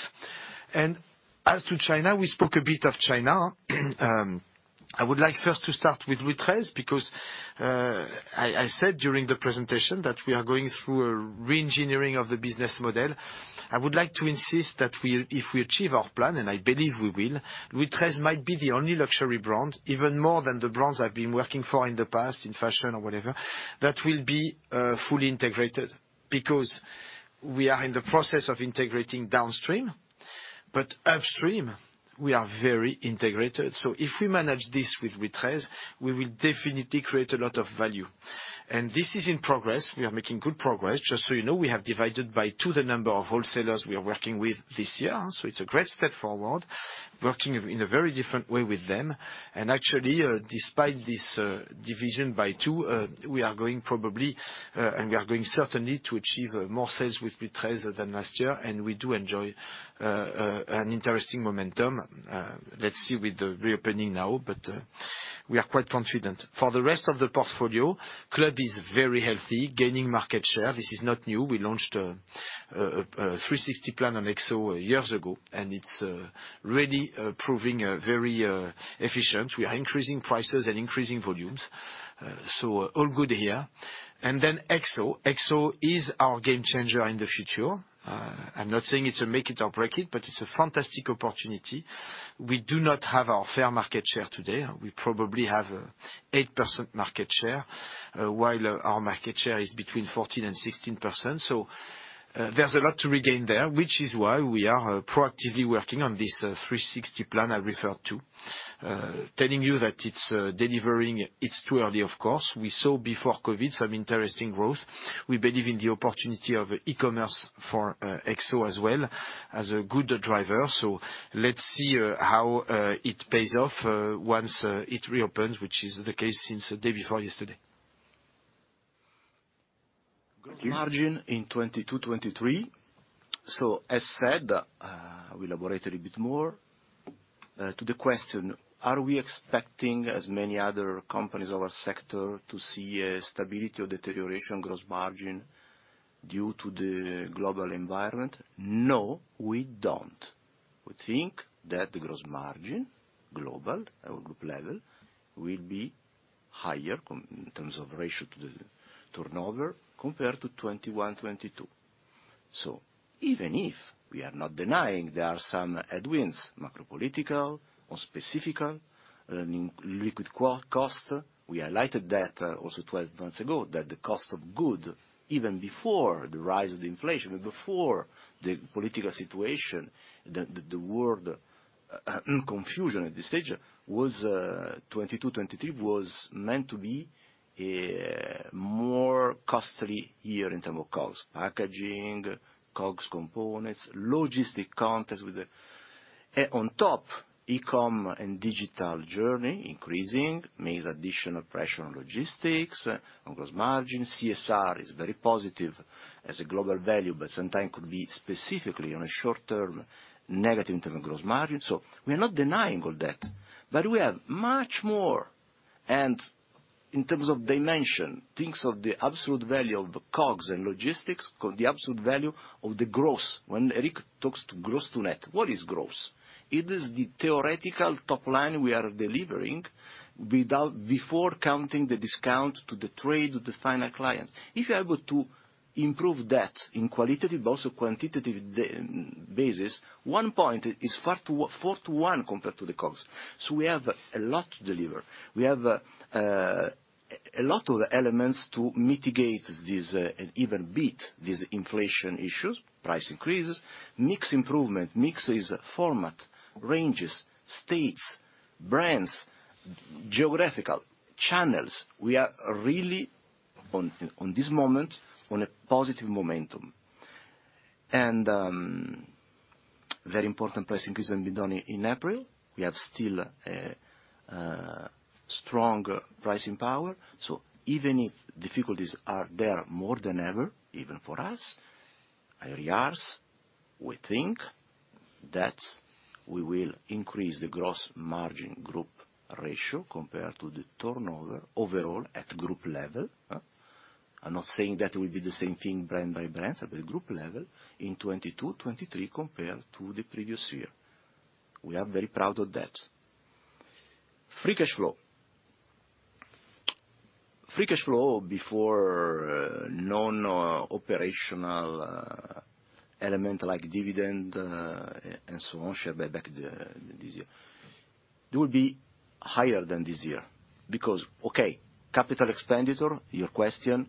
As to China, we spoke a bit of China. I would like first to start with Louis XIII because I said during the presentation that we are going through a reengineering of the business model. I would like to insist that if we achieve our plan, and I believe we will, Louis XIII might be the only luxury brand, even more than the brands I've been working for in the past in fashion or whatever, that will be fully integrated because we are in the process of integrating downstream. Upstream, we are very integrated. If we manage this with Louis XIII, we will definitely create a lot of value. This is in progress. We are making good progress. Just so you know, we have divided by two the number of wholesalers we are working with this year. It's a great step forward, working in a very different way with them. Actually, despite this division by two, we are going probably and certainly to achieve more sales with Louis XIII than last year, and we do enjoy an interesting momentum. Let's see with the reopening now, but we are quite confident. For the rest of the portfolio, Club is very healthy, gaining market share. This is not new. We launched a three sixty plan on XO years ago, and it's really proving very efficient. We are increasing prices and increasing volumes. So all good here. Then XO. XO is our game changer in the future. I'm not saying it's a make it or break it, but it's a fantastic opportunity. We do not have our fair market share today. We probably have 8% market share, while our market share is between 14%-16%. There's a lot to regain there, which is why we are proactively working on this 360 plan I referred to. Telling you that it's delivering. It's too early, of course. We saw before COVID some interesting growth. We believe in the opportunity of e-commerce for XO as well as a good driver. Let's see how it pays off once it reopens, which is the case since the day before yesterday. Margin in 2022, 2023. As said, we elaborate a little bit more to the question, are we expecting like many other companies in our sector to see stability or deterioration gross margin due to the global environment? No, we don't. We think that the gross margin, global at group level, will be higher in terms of ratio to the turnover compared to 2021, 2022. Even if we are not denying there are some headwinds, macro political or specific, liquor cost. We highlighted that also 12 months ago that the cost of goods, even before the rise of the inflation, before the political situation, the world confusion at this stage, was 2022, 2023 was meant to be a more costly year in terms of costs. Packaging costs, components, logistics costs with the. On top, e-com and digital journey increasing means additional pressure on logistics, on gross margin. CSR is very positive as a global value, but sometimes could be specifically on a short-term negative impact on gross margin. We are not denying all that, but we have much more. In terms of dimension, think of the absolute value of the COGS and logistics, the absolute value of the gross. When Eric talks about gross to net, what is gross? It is the theoretical top line we are delivering before counting the discount to the trade with the final client. If you are able to improve that in qualitative but also quantitative day-to-day basis, one point is four-one compared to the COGS. We have a lot to deliver. We have a lot of elements to mitigate this and even beat these inflation issues. Price increases, mix improvement, mixes format, ranges, states, brands, geographical, channels. We are really on this moment, on a positive momentum. Very important price increase has been done in April. We have still a stronger pricing power. Even if difficulties are there more than ever, even for us, IRES, we think that we will increase the gross margin group ratio compared to the turnover overall at group level. I'm not saying that will be the same thing brand by brand, but at group level in 2022, 2023 compared to the previous year. We are very proud of that. Free cash flow. Free cash flow before non-operational element like dividend and so on, share buyback, this year, it will be higher than this year. Okay, capital expenditure, your question,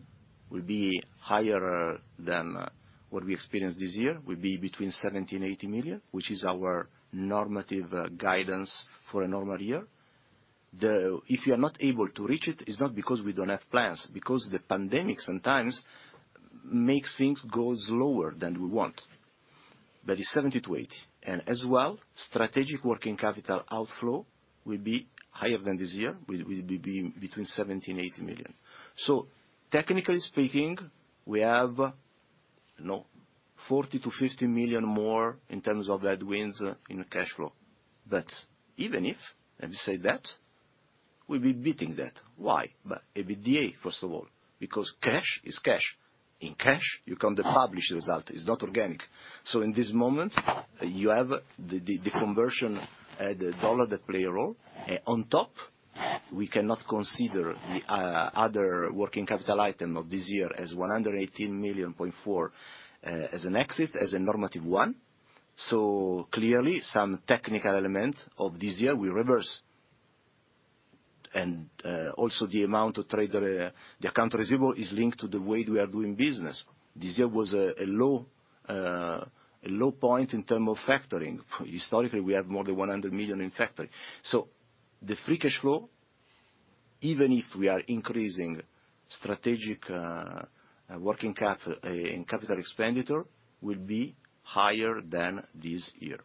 will be higher than what we experienced this year, will be between 70 million and 80 million, which is our normative guidance for a normal year. If you are not able to reach it's not because we don't have plans, because the pandemic sometimes makes things go slower than we want. That is 70-80. Strategic working capital outflow will be higher than this year. Will be between 70 million and 80 million. Technically speaking, we have, you know, 40 million-50 million more in terms of headwinds in cash flow. But even if I will say that, we'll be beating that. Why? By EBITDA, first of all, because cash is cash. In cash, you can't publish result, it's not organic. In this moment, you have the conversion, the dollar that play a role. On top, we cannot consider the other working capital item of this year as 118.4 million as an exit, as a normative one. Clearly some technical elements of this year will reverse. Also the amount of trade accounts receivable is linked to the way we are doing business. This year was a low point in terms of factoring. Historically, we have more than 100 million in factoring. The free cash flow, even if we are increasing strategic working cap in capital expenditure, will be higher than this year.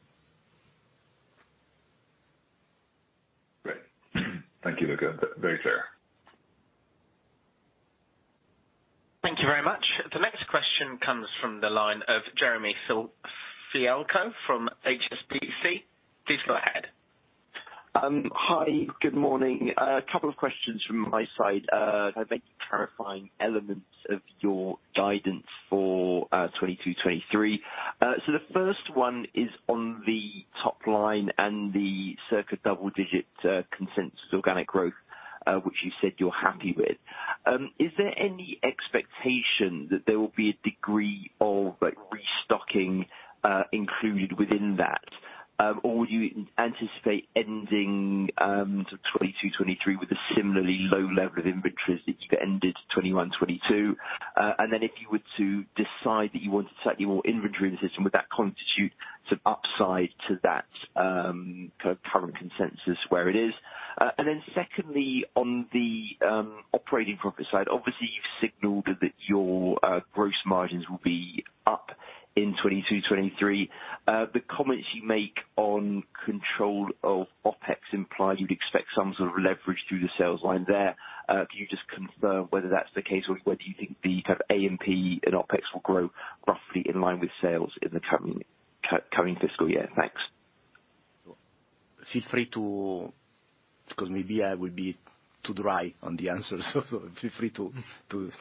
Great. Thank you, Luca. Very clear. Thank you very much. The next question comes from the line of Jeremy Fialko from HSBC. Please go ahead. Hi. Good morning. A couple of questions from my side, kind of clarifying elements of your guidance for 2022, 2023. So the first one is on the top line and the circa double-digit consensus organic growth, which you said you're happy with. Is there any expectation that there will be a degree of, like, restocking, included within that? Or would you anticipate ending sort of 2022, 2023 with a similarly low level of inventories that you ended 2021, 2022? And then if you were to decide that you wanted slightly more inventory in the system, would that constitute some upside to that current consensus where it is? And then secondly, on the operating profit side, obviously you've signaled that your gross margins will be up. In 2022, 2023, the comments you make on control of OpEx implies you'd expect some sort of leverage through the sales line there. Can you just confirm whether that's the case or whether you think the sort of A&P and OpEx will grow roughly in line with sales in the coming fiscal year? Thanks. Feel free to 'cause maybe I will be too dry on the answers so feel free to include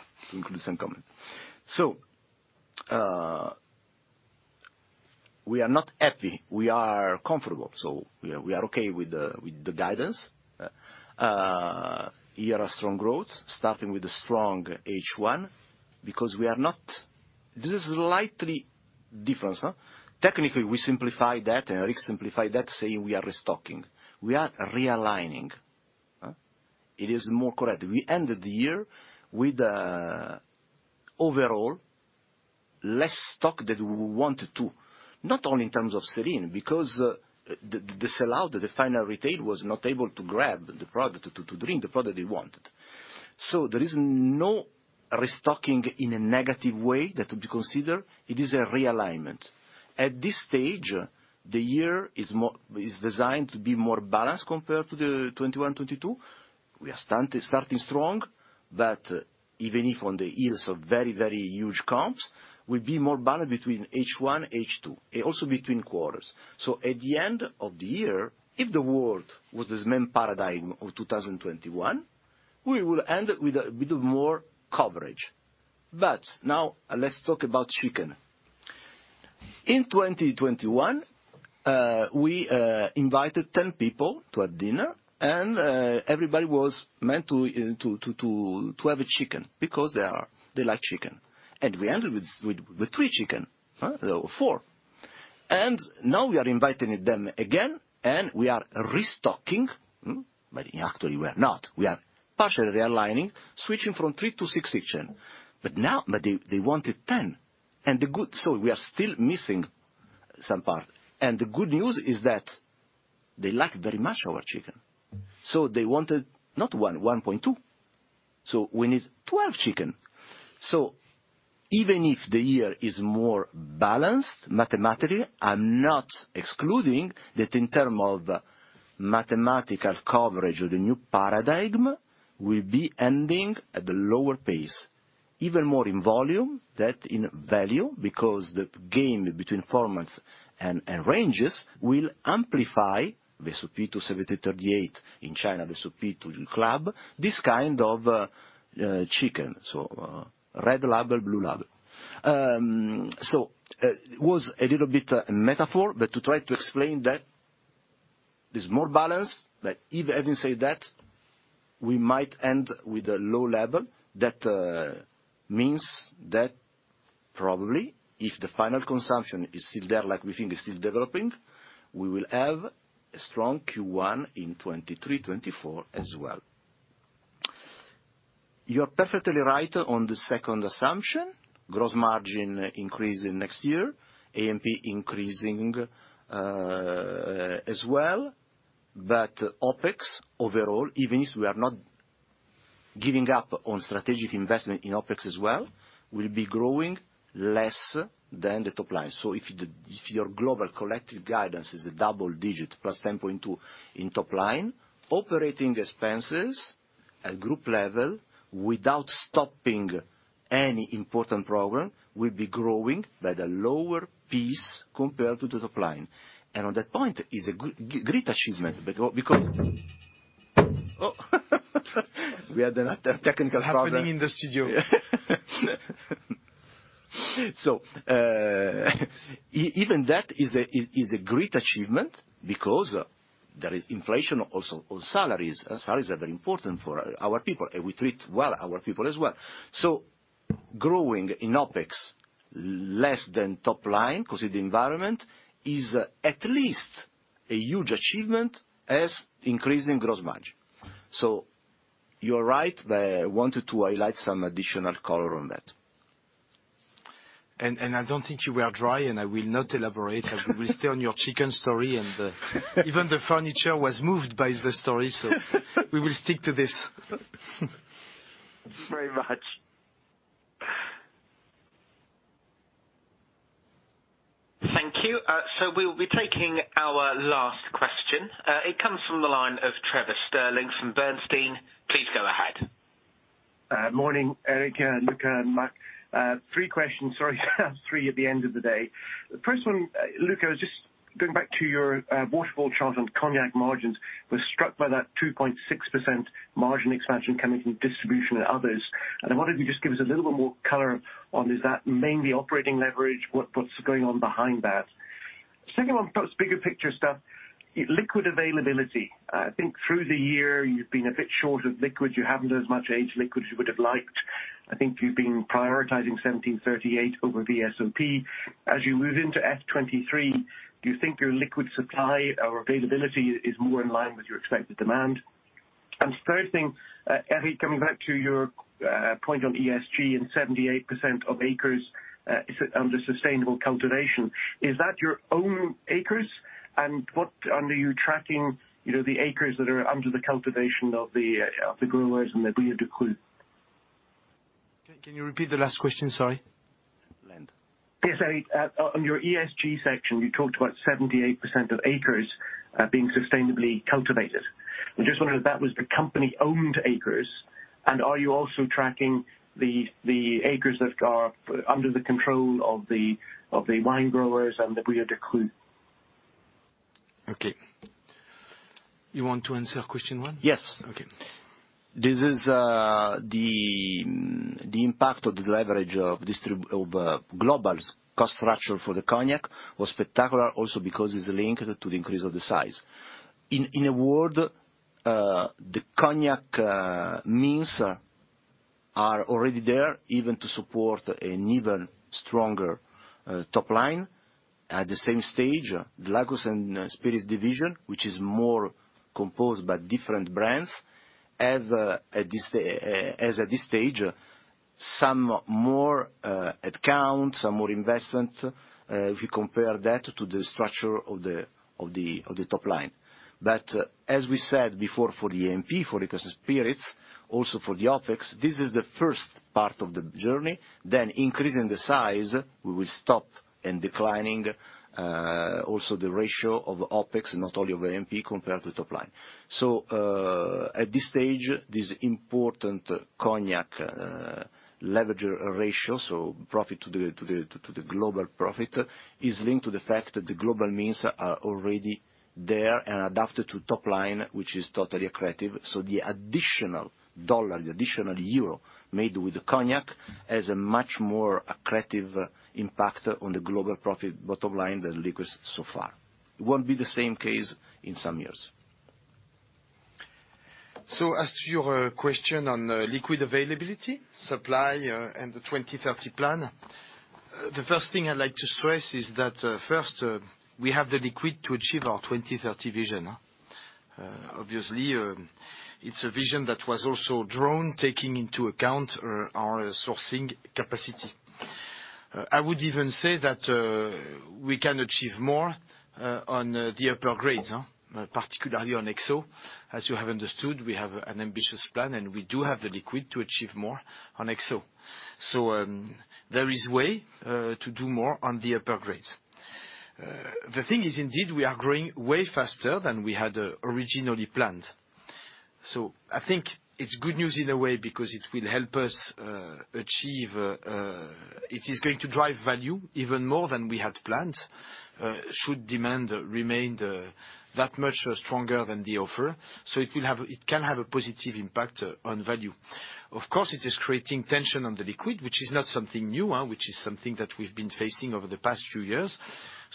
some comment. We are not happy. We are comfortable. We are okay with the guidance. Year of strong growth, starting with a strong H1 because we are not. This is slightly different. Technically, we simplify that, and Eric simplified that, saying we are restocking. We are realigning. It is more correct. We ended the year with overall less stock than we wanted to, not only in terms of sell-in, because the sellout, the final retail was not able to grab the product, to drink the product they wanted. There is no restocking in a negative way that to be considered. It is a realignment. At this stage, the year is designed to be more balanced compared to the 2021, 2022. We are starting strong, but even if on the heels of very, very huge comps, we'll be more balanced between H1, H2, and also between quarters. At the end of the year, if the world was the same paradigm of 2021, we will end with a bit more coverage. Now let's talk about chicken. In 2021, we invited 10 people to a dinner, and everybody was meant to have a chicken because they like chicken. We ended with three chicken, four. Now we are inviting them again, and we are restocking, but actually we are not. We are partially realigning, switching from three-six chicken. They wanted 10, so we are still missing some part. The good news is that they like very much our cognac. They wanted not 1.2. We need 12 cognac. Even if the year is more balanced mathematically, I'm not excluding that in terms of mathematical coverage or the new paradigm, we'll be ending at a lower pace, even more in volume than in value, because the gain between formats and ranges will amplify the VSOP to 1738 in China, the VSOP to the club, this kind of cognac, red label, blue label. It was a little bit a metaphor, but to try to explain that there's more balance, but even having said that, we might end with a low level. That means that probably if the final consumption is still there, like we think is still developing, we will have a strong Q1 in 2023, 2024 as well. You're perfectly right on the second assumption. Gross margin increasing next year, A&P increasing as well, but OpEx overall, even if we are not giving up on strategic investment in OpEx as well, will be growing less than the top line. If your global collective guidance is a double-digit +10.2% in top line, operating expenses at group level without stopping any important program will be growing by the lower pace compared to the top line. On that point is a great achievement because. Oh, we had another technical problem. Happening in the studio. Even that is a great achievement because there is inflation also on salaries. Salaries are very important for our people, and we treat well our people as well. Growing in OpEx less than top line because of the environment is at least a huge achievement as increasing gross margin. You are right, but I wanted to highlight some additional color on that. I don't think you were dry, and I will not elaborate. I will stay on your chicken story, and even the furniture was moved by the story. We will stick to this. Thank you very much. Thank you. We'll be taking our last question. It comes from the line of Trevor Stirling from Bernstein. Please go ahead. Morning, Eric, Luca, and Marc. three questions. Sorry to have three at the end of the day. First one, Luca, just going back to your waterfall chart on cognac margins, was struck by that 2.6% margin expansion coming from distribution and others. I wonder if you could just give us a little bit more color on, is that mainly operating leverage? What's going on behind that? Second one, perhaps bigger picture stuff, liquid availability. I think through the year you've been a bit short of liquid. You haven't as much aged liquid as you would have liked. I think you've been prioritizing 1738 over VSOP. As you move into FY 2023, do you think your liquid supply or availability is more in line with your expected demand? Third thing, Eric, coming back to your point on ESG and 78% of acres is under sustainable cultivation, is that your own acres? What are you tracking, you know, the acres that are under the cultivation of the growers and the Bureau National Interprofessionnel du Cognac? Can you repeat the last question? Sorry. Lent. Yes. On your ESG section, you talked about 78% of acres being sustainably cultivated. I just wondered if that was the company-owned acres, and are you also tracking the acres that are under the control of the wine growers and the prix d'achat? Okay. You want to answer question one? Yes. This is the impact of the leverage of distribution of global cost structure for the cognac was spectacular also because it's linked to the increase of the size. The cognac margins are already there even to support an even stronger top line. At the same stage, the Liqueurs and Spirits division, which is more composed by different brands, have at this stage some more costs, some more investments if you compare that to the structure of the top line. As we said before for the A&P, for the spirits, also for the OpEx, this is the first part of the journey. Increasing the size, we will see declining also the ratio of OpEx, not only of A&P compared to top line. At this stage, this important cognac leverage ratio, profit to the global profit, is linked to the fact that the global means are already there and adapted to top line, which is totally accretive. The additional dollar, the additional euro made with the cognac has a much more accretive impact on the global profit bottom line than liquors so far. It won't be the same case in some years. As to your question on liquid availability, supply, and the 2030 plan, the first thing I'd like to stress is that we have the liquid to achieve our 2030 vision. Obviously, it's a vision that was also drawn taking into account our sourcing capacity. I would even say that we can achieve more on the upper grades, particularly on XO. As you have understood, we have an ambitious plan, and we do have the liquid to achieve more on XO. There is a way to do more on the upper grades. The thing is, indeed, we are growing way faster than we had originally planned. I think it's good news in a way because it will help us achieve. It is going to drive value even more than we had planned, should demand remain that much stronger than the offer. It can have a positive impact on value. Of course, it is creating tension on the liquid, which is not something new, which is something that we've been facing over the past few years.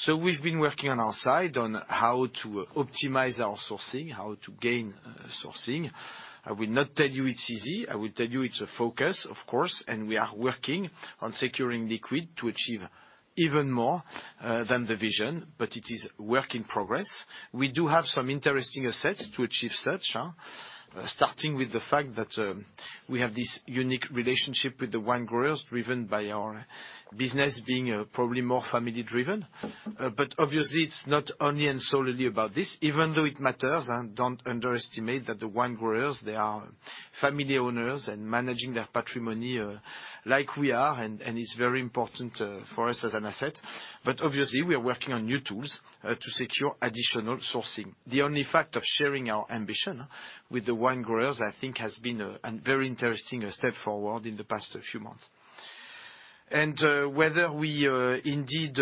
We've been working on our side on how to optimize our sourcing, how to gain sourcing. I will not tell you it's easy. I will tell you it's a focus, of course, and we are working on securing liquid to achieve even more than the vision, but it is work in progress. We do have some interesting assets to achieve such. Starting with the fact that we have this unique relationship with the wine growers driven by our business being probably more family driven. Obviously it's not only and solely about this. Even though it matters, don't underestimate that the wine growers they are family owners and managing their patrimony like we are, and it's very important for us as an asset. Obviously we are working on new tools to secure additional sourcing. The only fact of sharing our ambition with the wine growers, I think has been a very interesting step forward in the past few months. Whether we indeed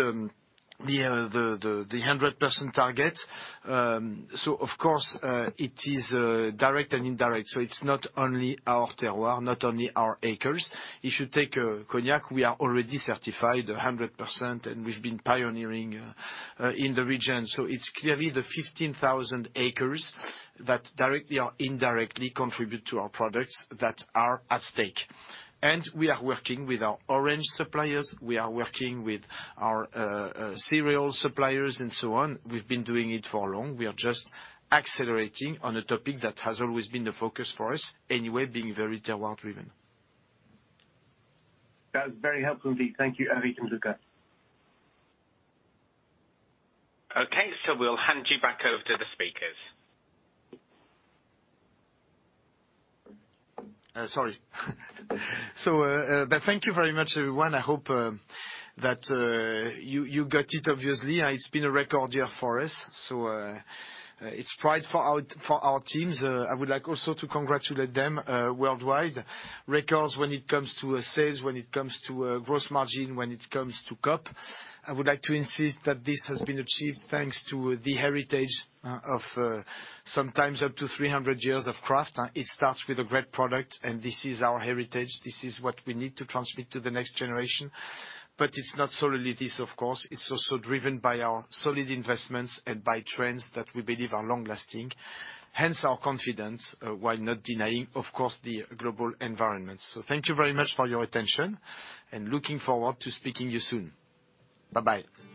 the 100% target, of course it is direct and indirect. It's not only our terroir, not only our acres. If you take cognac, we are already certified 100%, and we've been pioneering in the region. It's clearly the 15,000 acres that directly or indirectly contribute to our products that are at stake. We are working with our orange suppliers. We are working with our cereal suppliers and so on. We've been doing it for long. We are just accelerating on a topic that has always been the focus for us, anyway, being very terroir-driven. That was very helpful, indeed. Thank you, Eric and Luca. Okay, we'll hand you back over to the speakers. Sorry. Thank you very much, everyone. I hope that you got it, obviously. It's been a record year for us. It's pride for our teams. I would like also to congratulate them worldwide. Records when it comes to sales, when it comes to gross margin, when it comes to COP. I would like to insist that this has been achieved thanks to the heritage of sometimes up to 300 years of craft. It starts with a great product, and this is our heritage. This is what we need to transmit to the next generation. It's not solely this, of course. It's also driven by our solid investments and by trends that we believe are long lasting, hence our confidence while not denying, of course, the global environment. Thank you very much for your attention and looking forward to speaking with you soon. Bye-bye.